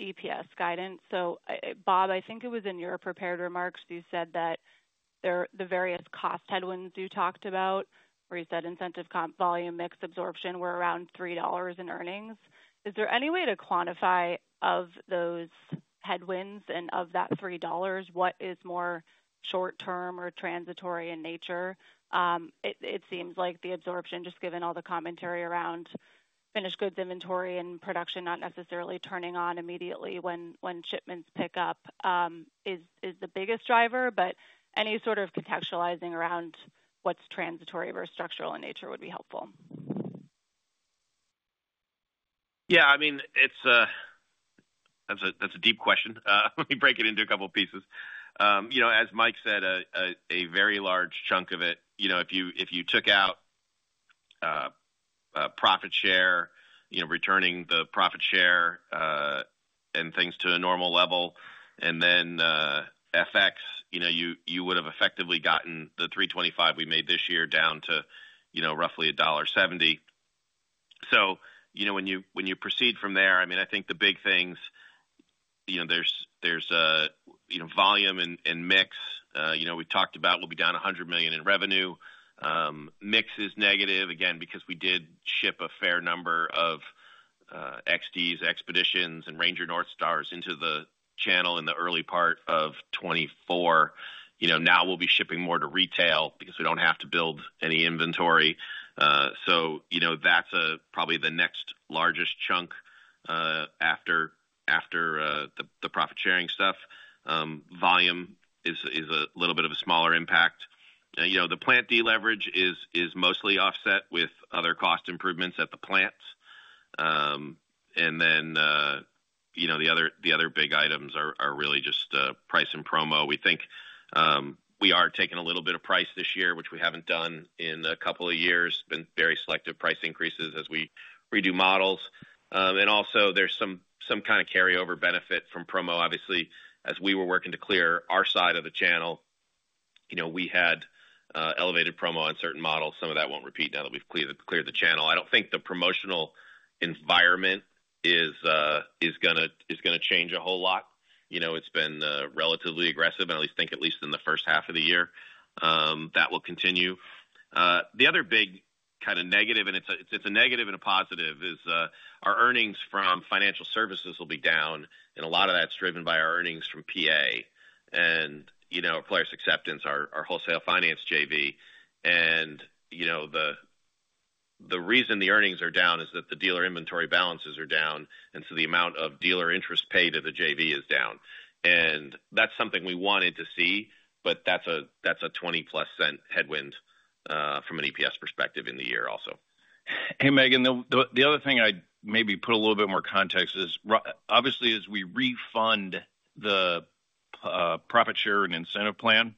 EPS guidance. So, Bob, I think it was in your prepared remarks. You said that the various cost headwinds you talked about, where you said incentive comp volume mix absorption were around $3 in earnings. Is there any way to quantify of those headwinds and of that $3, what is more short-term or transitory in nature? It seems like the absorption, just given all the commentary around finished goods inventory and production not necessarily turning on immediately when shipments pick up, is the biggest driver. But any sort of contextualizing around what's transitory versus structural in nature would be helpful. Yeah. I mean, that's a deep question. Let me break it into a couple of pieces. As Mike said, a very large chunk of it, if you took out profit share, returning the profit share and things to a normal level, and then FX, you would have effectively gotten the $3.25 we made this year down to roughly $1.70. So when you proceed from there, I mean, I think the big things, there's volume and mix. We've talked about we'll be down $100 million in revenue. Mix is negative, again, because we did ship a fair number of XDs, XPEDITIONs, and RANGER NorthStars into the channel in the early part of 2024. Now we'll be shipping more to retail because we don't have to build any inventory. So that's probably the next largest chunk after the profit-sharing stuff. Volume is a little bit of a smaller impact. The plant deleverage is mostly offset with other cost improvements at the plants. And then the other big items are really just price and promo. We think we are taking a little bit of price this year, which we haven't done in a couple of years. It's been very selective price increases as we redo models. Also, there's some kind of carryover benefit from promo. Obviously, as we were working to clear our side of the channel, we had elevated promo on certain models. Some of that won't repeat now that we've cleared the channel. I don't think the promotional environment is going to change a whole lot. It's been relatively aggressive, and I think at least in the first half of the year, that will continue. The other big kind of negative, and it's a negative and a positive, is our earnings from financial services will be down. A lot of that's driven by our earnings from PA and Polaris Acceptance, our wholesale finance JV. The reason the earnings are down is that the dealer inventory balances are down, and so the amount of dealer interest paid to the JV is down. And that's something we wanted to see, but that's a $0.20-plus headwind from an EPS perspective in the year also. Hey, Megan, the other thing I maybe put a little bit more context is, obviously, as we refund the profit share and incentive plan,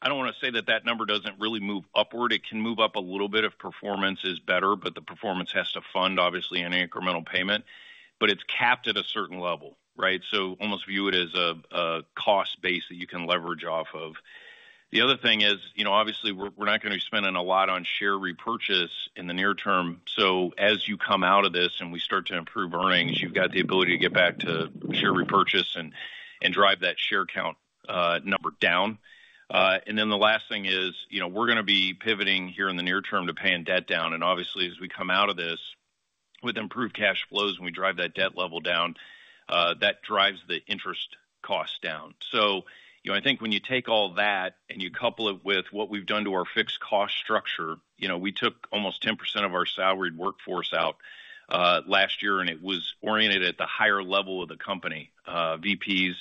I don't want to say that that number doesn't really move upward. It can move up a little bit if performance is better, but the performance has to fund, obviously, an incremental payment. But it's capped at a certain level, right? So almost view it as a cost base that you can leverage off of. The other thing is, obviously, we're not going to be spending a lot on share repurchase in the near term. So as you come out of this and we start to improve earnings, you've got the ability to get back to share repurchase and drive that share count number down. And then the last thing is we're going to be pivoting here in the near term to paying debt down. And obviously, as we come out of this with improved cash flows and we drive that debt level down, that drives the interest cost down. So I think when you take all that and you couple it with what we've done to our fixed cost structure, we took almost 10% of our salaried workforce out last year, and it was oriented at the higher level of the company. VPs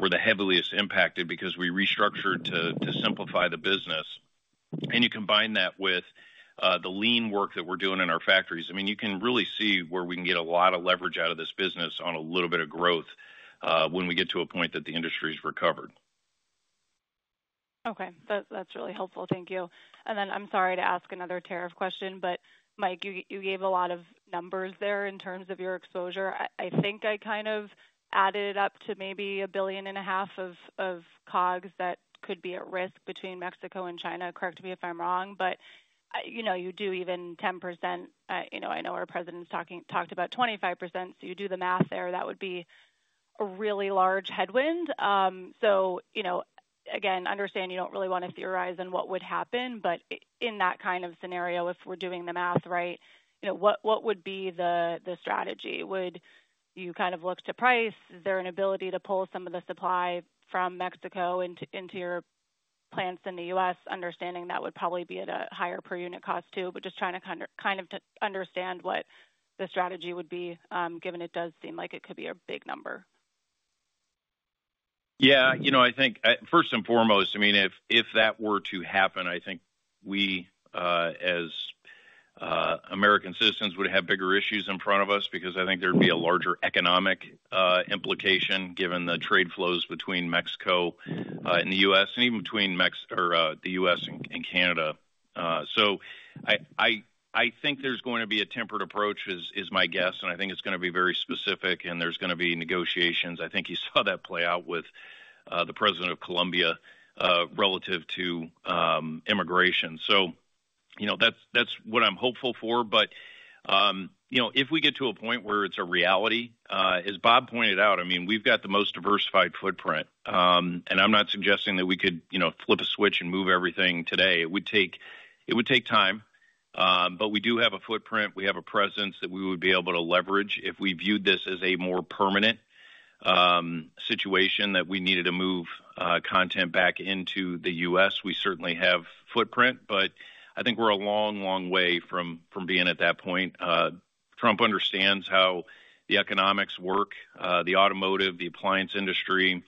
were the heaviest impacted because we restructured to simplify the business. And you combine that with the lean work that we're doing in our factories. I mean, you can really see where we can get a lot of leverage out of this business on a little bit of growth when we get to a point that the industry's recovered. Okay. That's really helpful. Thank you. Then I'm sorry to ask another tariff question, but Mike, you gave a lot of numbers there in terms of your exposure. I think I kind of added it up to maybe $1.5 billion of COGS that could be at risk between Mexico and China. Correct me if I'm wrong, but you do even 10%. I know our president talked about 25%. So you do the math there. That would be a really large headwind. So again, understand you don't really want to theorize on what would happen. But in that kind of scenario, if we're doing the math right, what would be the strategy? Would you kind of look to price? Is there an ability to pull some of the supply from Mexico into your plants in the U.S.? Understanding that would probably be at a higher per unit cost too, but just trying to kind of understand what the strategy would be, given it does seem like it could be a big number. Yeah. I think first and foremost, I mean, if that were to happen, I think we, as American citizens, would have bigger issues in front of us because I think there'd be a larger economic implication given the trade flows between Mexico and the U.S. and even between the U.S. and Canada. So I think there's going to be a tempered approach is my guess, and I think it's going to be very specific, and there's going to be negotiations. I think you saw that play out with the president of Colombia relative to immigration. So that's what I'm hopeful for. But if we get to a point where it's a reality, as Bob pointed out, I mean, we've got the most diversified footprint, and I'm not suggesting that we could flip a switch and move everything today. It would take time, but we do have a footprint. We have a presence that we would be able to leverage if we viewed this as a more permanent situation that we needed to move content back into the U.S. We certainly have footprint, but I think we're a long, long way from being at that point. Trump understands how the economics work, the automotive, the appliance industry,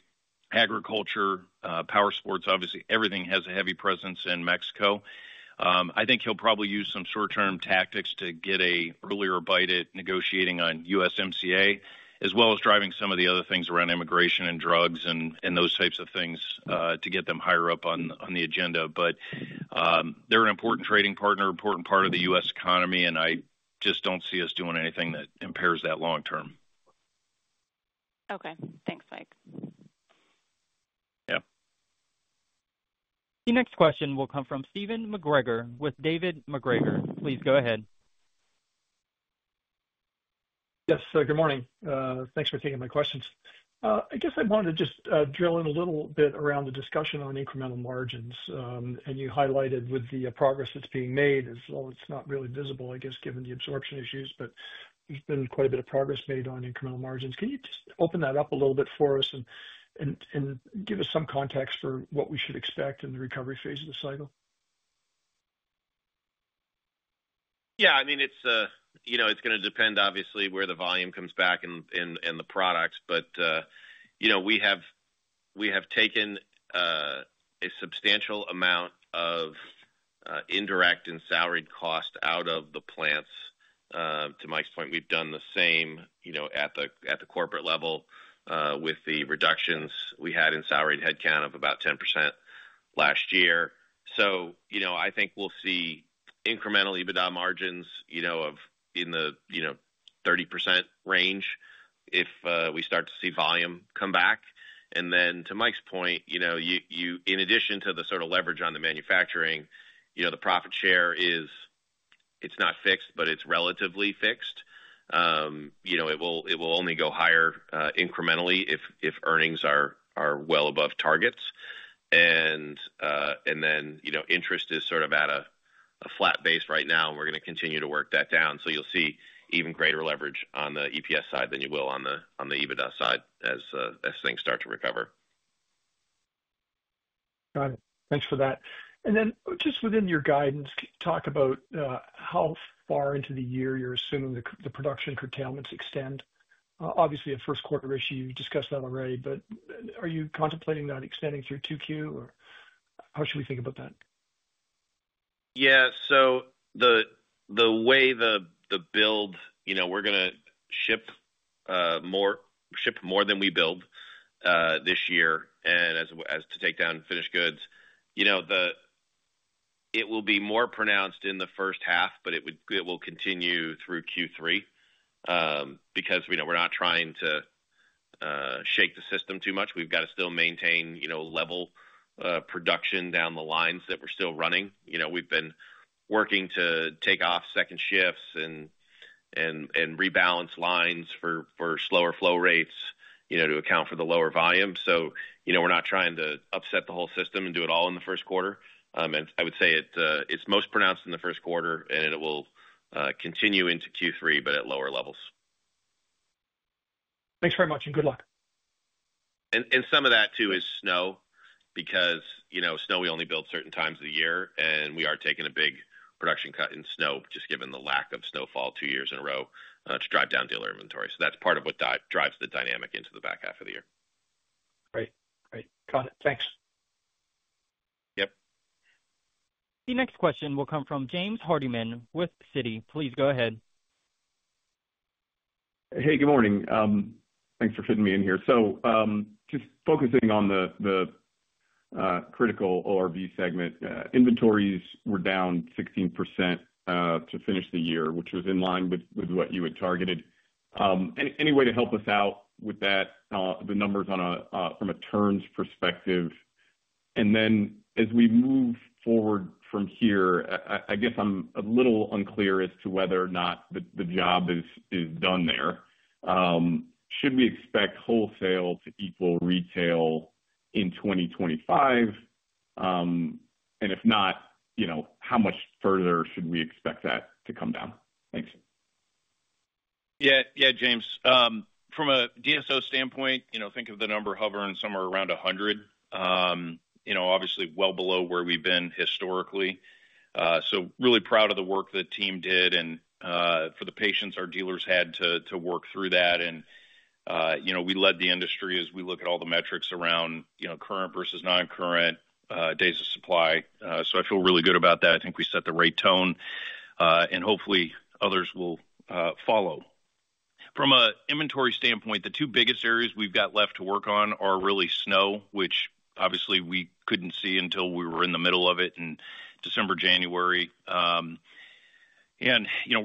agriculture, power sports, obviously, everything has a heavy presence in Mexico. I think he'll probably use some short-term tactics to get an earlier bite at negotiating on USMCA, as well as driving some of the other things around immigration and drugs and those types of things to get them higher up on the agenda. But they're an important trading partner, important part of the U.S. economy, and I just don't see us doing anything that impairs that long-term. Okay. Thanks, Mike. Yeah. The next question will come from Stephen McGregor with David McGregor. Please go ahead. Yes. Good morning. Thanks for taking my questions. I guess I wanted to just drill in a little bit around the discussion on incremental margins. And you highlighted with the progress that's being made, as well as it's not really visible, I guess, given the absorption issues, but there's been quite a bit of progress made on incremental margins. Can you just open that up a little bit for us and give us some context for what we should expect in the recovery phase of the cycle? Yeah. I mean, it's going to depend, obviously, where the volume comes back and the products. But we have taken a substantial amount of indirect and salaried cost out of the plants. To Mike's point, we've done the same at the corporate level with the reductions we had in salaried headcount of about 10% last year. So I think we'll see incremental EBITDA margins in the 30% range if we start to see volume come back. And then to Mike's point, in addition to the sort of leverage on the manufacturing, the profit share is. It's not fixed, but it's relatively fixed. It will only go higher incrementally if earnings are well above targets. And then interest is sort of at a flat base right now, and we're going to continue to work that down. So you'll see even greater leverage on the EPS side than you will on the EBITDA side as things start to recover. Got it. Thanks for that. And then just within your guidance, can you talk about how far into the year you're assuming the production curtailments extend? Obviously, a first-quarter issue, you've discussed that already, but are you contemplating that extending through Q2, or how should we think about that? Yeah. So the way the build, we're going to ship more than we build this year. And as to take down finished goods, it will be more pronounced in the first half, but it will continue through Q3 because we're not trying to shake the system too much. We've got to still maintain level production down the lines that we're still running. We've been working to take off second shifts and rebalance lines for slower flow rates to account for the lower volume. So we're not trying to upset the whole system and do it all in the first quarter. And I would say it's most pronounced in the first quarter, and it will continue into Q3, but at lower levels. Thanks very much, and good luck. And some of that too is snow because snow, we only build certain times of the year, and we are taking a big production cut in snow just given the lack of snowfall two years in a row to drive down dealer inventory. So that's part of what drives the dynamic into the back half of the year. Great. Great. Got it. Thanks. Yep. The next question will come from James Hardiman with Citi. Please go ahead. Hey, good morning. Thanks for fitting me in here. So just focusing on the critical ORV segment, inventories were down 16% to finish the year, which was in line with what you had targeted. Any way to help us out with that, the numbers from a turns perspective? And then as we move forward from here, I guess I'm a little unclear as to whether or not the job is done there. Should we expect wholesale to equal retail in 2025? And if not, how much further should we expect that to come down? Thanks. Yeah. Yeah, James. From a DSO standpoint, think of the number hovering somewhere around 100, obviously well below where we've been historically. So really proud of the work that team did and for the patience our dealers had to work through that. We led the industry as we look at all the metrics around current versus non-current days of supply. I feel really good about that. I think we set the right tone, and hopefully, others will follow. From an inventory standpoint, the two biggest areas we've got left to work on are really snow, which obviously we couldn't see until we were in the middle of it in December, January. We're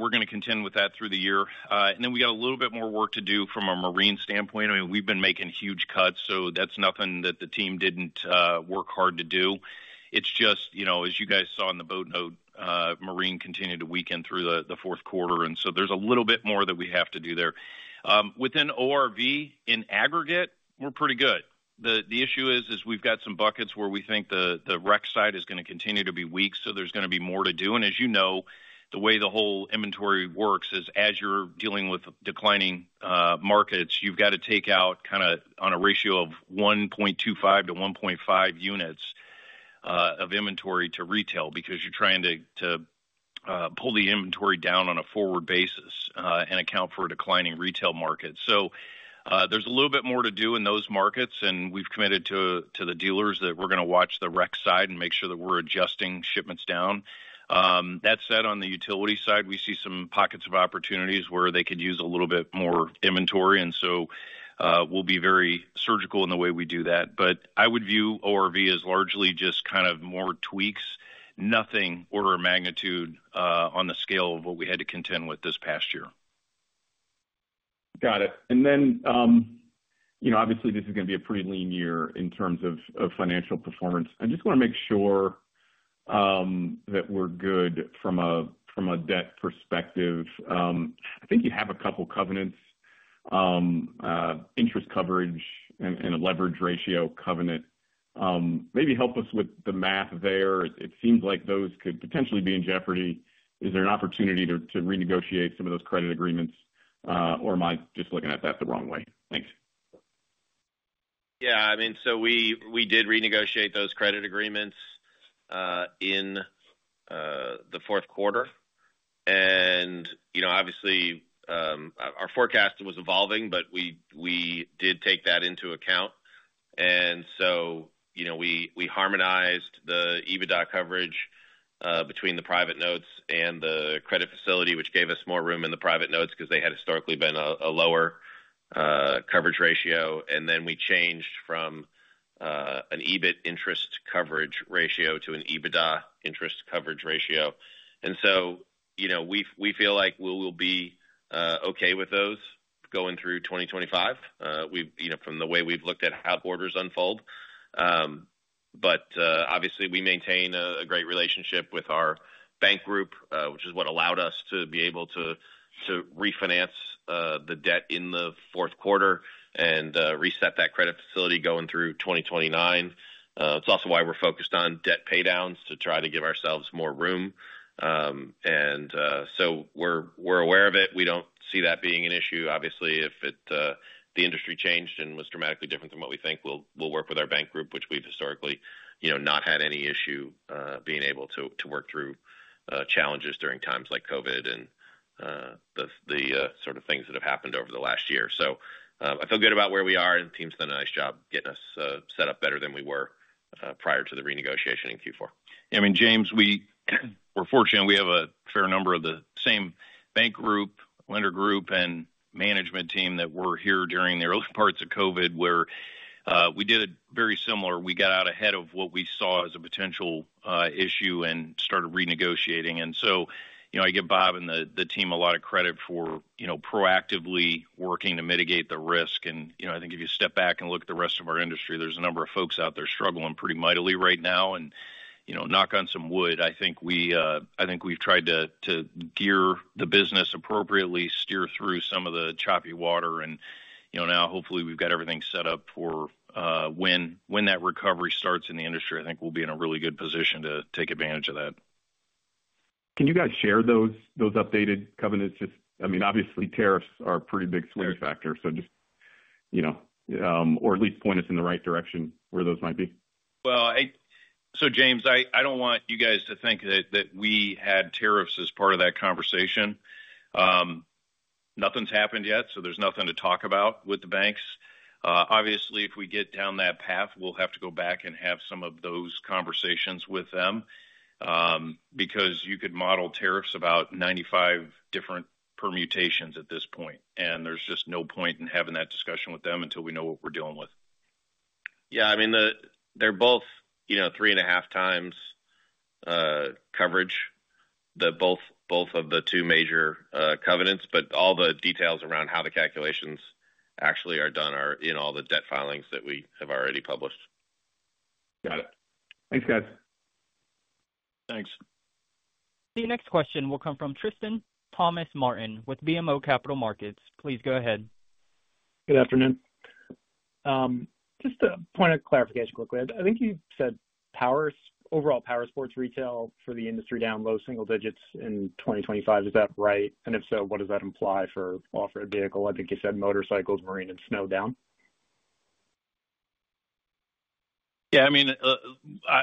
going to continue with that through the year. Then we got a little bit more work to do from a marine standpoint. I mean, we've been making huge cuts, so that's nothing that the team didn't work hard to do. It's just, as you guys saw in the boat note, marine continued to weaken through the fourth quarter. So there's a little bit more that we have to do there. Within ORV in aggregate, we're pretty good. The issue is we've got some buckets where we think the rec side is going to continue to be weak, so there's going to be more to do, and as you know, the way the whole inventory works is as you're dealing with declining markets, you've got to take out kind of on a ratio of 1.25-1.5 units of inventory to retail because you're trying to pull the inventory down on a forward basis and account for a declining retail market, so there's a little bit more to do in those markets, and we've committed to the dealers that we're going to watch the rec side and make sure that we're adjusting shipments down. That said, on the utility side, we see some pockets of opportunities where they could use a little bit more inventory. And so we'll be very surgical in the way we do that. But I would view ORV as largely just kind of more tweaks, nothing order of magnitude on the scale of what we had to contend with this past year. Got it. And then obviously, this is going to be a pretty lean year in terms of financial performance. I just want to make sure that we're good from a debt perspective. I think you have a couple of covenants, interest coverage and a leverage ratio covenant. Maybe help us with the math there. It seems like those could potentially be in jeopardy. Is there an opportunity to renegotiate some of those credit agreements, or am I just looking at that the wrong way? Thanks. Yeah. I mean, so we did renegotiate those credit agreements in the fourth quarter. And obviously, our forecast was evolving, but we did take that into account. And so we harmonized the EBITDA coverage between the private notes and the credit facility, which gave us more room in the private notes because they had historically been a lower coverage ratio. And then we changed from an EBIT interest coverage ratio to an EBITDA interest coverage ratio. And so we feel like we will be okay with those going through 2025 from the way we've looked at how orders unfold. But obviously, we maintain a great relationship with our bank group, which is what allowed us to be able to refinance the debt in the fourth quarter and reset that credit facility going through 2029. It's also why we're focused on debt paydowns to try to give ourselves more room. And so we're aware of it. We don't see that being an issue. Obviously, if the industry changed and was dramatically different than what we think, we'll work with our bank group, which we've historically not had any issue being able to work through challenges during times like COVID and the sort of things that have happened over the last year. So I feel good about where we are, and the team's done a nice job getting us set up better than we were prior to the renegotiation in Q4. Yeah. I mean, James, we're fortunate. We have a fair number of the same bank group, lender group, and management team that were here during the early parts of COVID where we did it very similar. We got out ahead of what we saw as a potential issue and started renegotiating. And so I give Bob and the team a lot of credit for proactively working to mitigate the risk. I think if you step back and look at the rest of our industry, there's a number of folks out there struggling pretty mightily right now. Knock on some wood, I think we've tried to gear the business appropriately, steer through some of the choppy water. Now, hopefully, we've got everything set up for when that recovery starts in the industry, I think we'll be in a really good position to take advantage of that. Can you guys share those updated covenants? I mean, obviously, tariffs are a pretty big swing factor, so just or at least point us in the right direction where those might be. So James, I don't want you guys to think that we had tariffs as part of that conversation. Nothing's happened yet, so there's nothing to talk about with the banks. Obviously, if we get down that path, we'll have to go back and have some of those conversations with them because you could model tariffs about 95 different permutations at this point. And there's just no point in having that discussion with them until we know what we're dealing with. Yeah. I mean, they're both three and a half times coverage, both of the two major covenants, but all the details around how the calculations actually are done are in all the debt filings that we have already published. Got it. Thanks, guys. Thanks. The next question will come from Tristan Thomas-Martin with BMO Capital Markets. Please go ahead. Good afternoon. Just a point of clarification quickly. I think you said overall power sports retail for the industry down low single digits in 2025. Is that right? And if so, what does that imply for off-road vehicle? I think you said motorcycles, marine, and snow down. Yeah. I mean,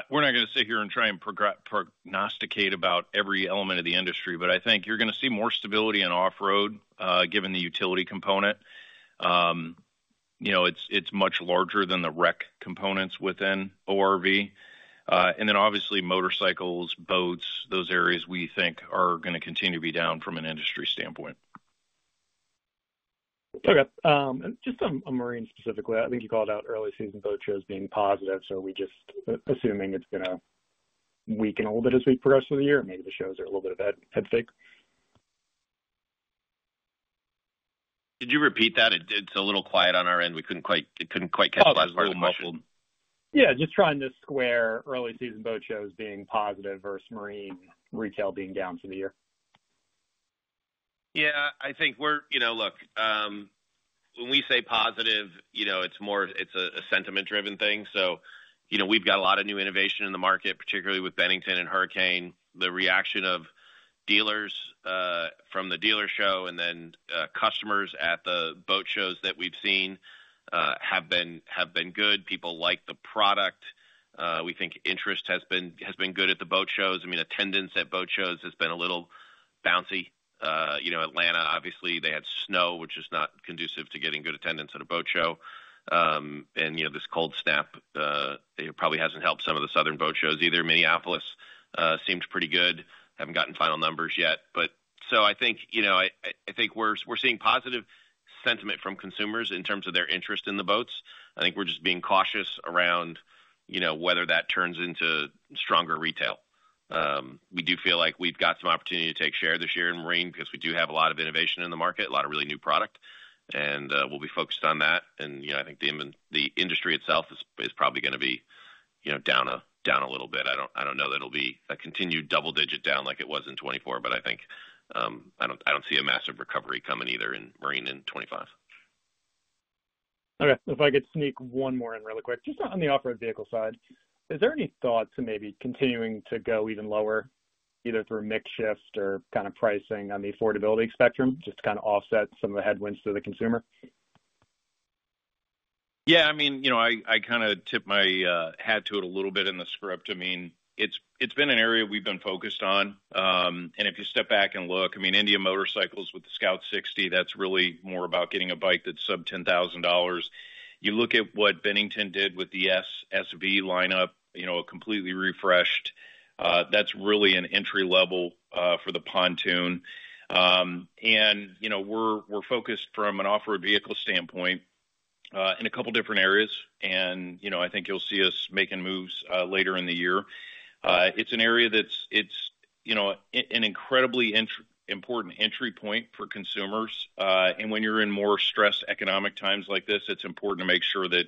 we're not going to sit here and try and prognosticate about every element of the industry, but I think you're going to see more stability in off-road given the utility component. It's much larger than the rec components within ORV. And then obviously, motorcycles, boats, those areas we think are going to continue to be down from an industry standpoint. Okay. Just on marine specifically, I think you called out early season boat shows being positive, so we're just assuming it's going to weaken a little bit as we progress through the year. Maybe the shows are a little bit of a head fake. Did you repeat that? It's a little quiet on our end. We couldn't quite catch a lot of the words. Yeah. Just trying to square early season boat shows being positive versus marine retail being down for the year. Yeah. I think we're looking, when we say positive, it's a sentiment-driven thing. So we've got a lot of new innovation in the market, particularly with Bennington and Hurricane. The reaction of dealers from the dealer show and then customers at the boat shows that we've seen have been good. People like the product. We think interest has been good at the boat shows. I mean, attendance at boat shows has been a little bouncy. Atlanta, obviously, they had snow, which is not conducive to getting good attendance at a boat show, and this cold snap probably hasn't helped some of the southern boat shows either. Minneapolis seemed pretty good. Haven't gotten final numbers yet. So I think we're seeing positive sentiment from consumers in terms of their interest in the boats. I think we're just being cautious around whether that turns into stronger retail. We do feel like we've got some opportunity to take share this year in marine because we do have a lot of innovation in the market, a lot of really new product. And we'll be focused on that. And I think the industry itself is probably going to be down a little bit. I don't know that it'll be a continued double-digit down like it was in 2024, but I think I don't see a massive recovery coming either in marine in 2025. Okay. If I could sneak one more in really quick, just on the off-road vehicle side, is there any thought to maybe continuing to go even lower, either through mixed shifts or kind of pricing on the affordability spectrum, just to kind of offset some of the headwinds to the consumer? Yeah. I mean, I kind of tip my hat to it a little bit in the script. I mean, it's been an area we've been focused on. And if you step back and look, I mean, Indian Motorcycle with the Scout Sixty, that's really more about getting a bike that's sub $10,000. You look at what Bennington did with the SV lineup, a completely refreshed. That's really an entry level for the pontoon. And we're focused from an off-road vehicle standpoint in a couple of different areas. And I think you'll see us making moves later in the year. It's an area that's an incredibly important entry point for consumers. And when you're in more stressed economic times like this, it's important to make sure that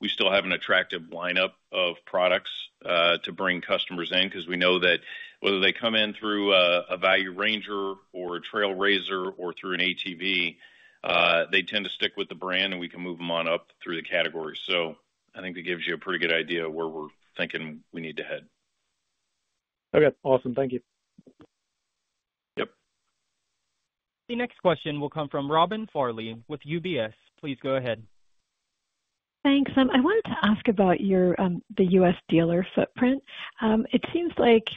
we still have an attractive lineup of products to bring customers in because we know that whether they come in through a value RANGER or a RZR or through an ATV, they tend to stick with the brand, and we can move them on up through the category. So I think it gives you a pretty good idea of where we're thinking we need to head. Okay. Awesome. Thank you. Yep. The next question will come from Robin Farley with UBS. Please go ahead. Thanks. I wanted to ask about the U.S. dealer footprint. It seems like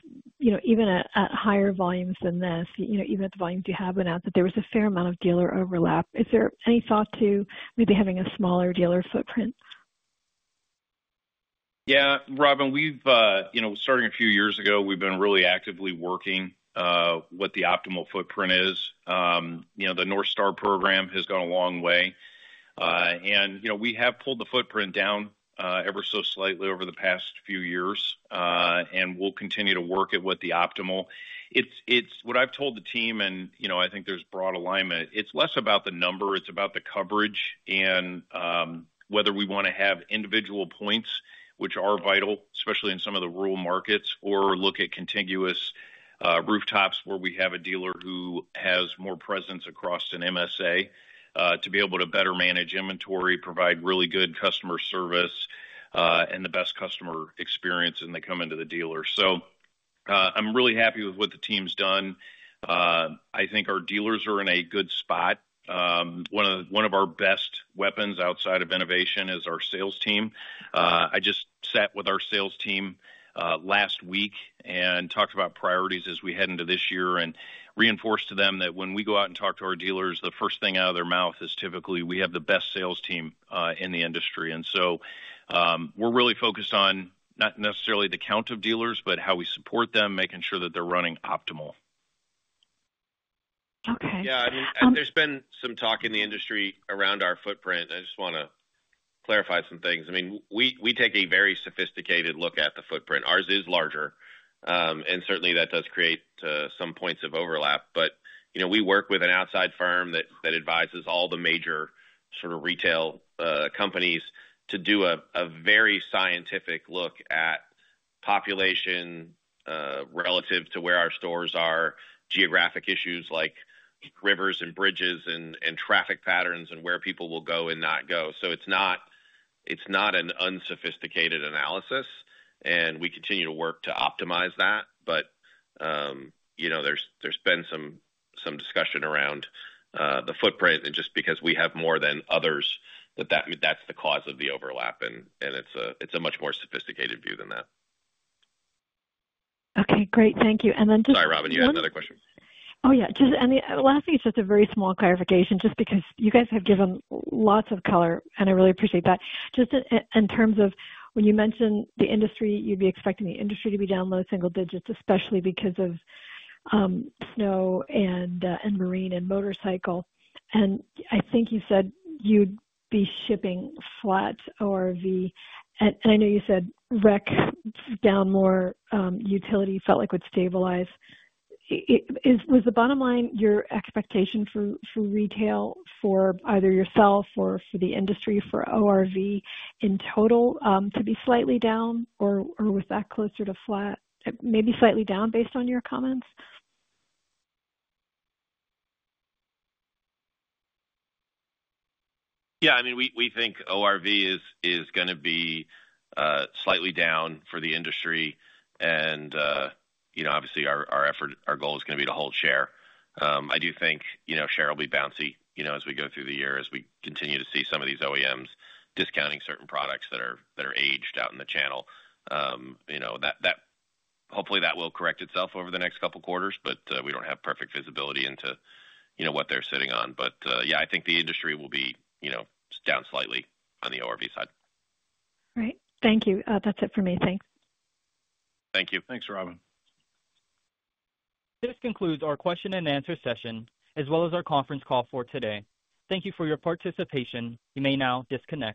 even at higher volumes than this, even at the volumes you have announced that there was a fair amount of dealer overlap. Is there any thought to maybe having a smaller dealer footprint? Yeah. Robin, starting a few years ago, we've been really actively working with the optimal footprint is. The NorthStar program has gone a long way, and we have pulled the footprint down ever so slightly over the past few years, and we'll continue to work at what the optimal is. It's what I've told the team, and I think there's broad alignment. It's less about the number. It's about the coverage and whether we want to have individual points, which are vital, especially in some of the rural markets, or look at contiguous rooftops where we have a dealer who has more presence across an MSA to be able to better manage inventory, provide really good customer service, and the best customer experience when they come into the dealer. So I'm really happy with what the team's done. I think our dealers are in a good spot. One of our best weapons outside of innovation is our sales team. I just sat with our sales team last week and talked about priorities as we head into this year and reinforced to them that when we go out and talk to our dealers, the first thing out of their mouth is typically, "We have the best sales team in the industry." And so we're really focused on not necessarily the count of dealers, but how we support them, making sure that they're running optimal. Okay. Yeah. I mean, there's been some talk in the industry around our footprint. I just want to clarify some things. I mean, we take a very sophisticated look at the footprint. Ours is larger. And certainly, that does create some points of overlap. But we work with an outside firm that advises all the major sort of retail companies to do a very scientific look at population relative to where our stores are, geographic issues like rivers and bridges and traffic patterns and where people will go and not go. So it's not an unsophisticated analysis. And we continue to work to optimize that. But there's been some discussion around the footprint just because we have more than others that that's the cause of the overlap. And it's a much more sophisticated view than that. Okay. Great. Thank you. And then just. Sorry, Robin. You had another question. Oh, yeah. And lastly, just a very small clarification just because you guys have given lots of color, and I really appreciate that. Just in terms of when you mentioned the industry, you'd be expecting the industry to be down low single digits, especially because of snow and marine and motorcycle. And I think you said you'd be shipping flat ORV. And I know you said rec down more, utility felt like would stabilize. Was the bottom line, your expectation for retail for either yourself or for the industry for ORV in total to be slightly down, or was that closer to flat, maybe slightly down based on your comments? Yeah. I mean, we think ORV is going to be slightly down for the industry. And obviously, our goal is going to be to hold share. I do think share will be bouncy as we go through the year as we continue to see some of these OEMs discounting certain products that are aged out in the channel. Hopefully, that will correct itself over the next couple of quarters, but we don't have perfect visibility into what they're sitting on. But yeah, I think the industry will be down slightly on the ORV side. All right. Thank you. That's it for me. Thanks. Thank you. Thanks, Robin. This concludes our question-and-answer session as well as our conference call for today. Thank you for your participation. You may now disconnect.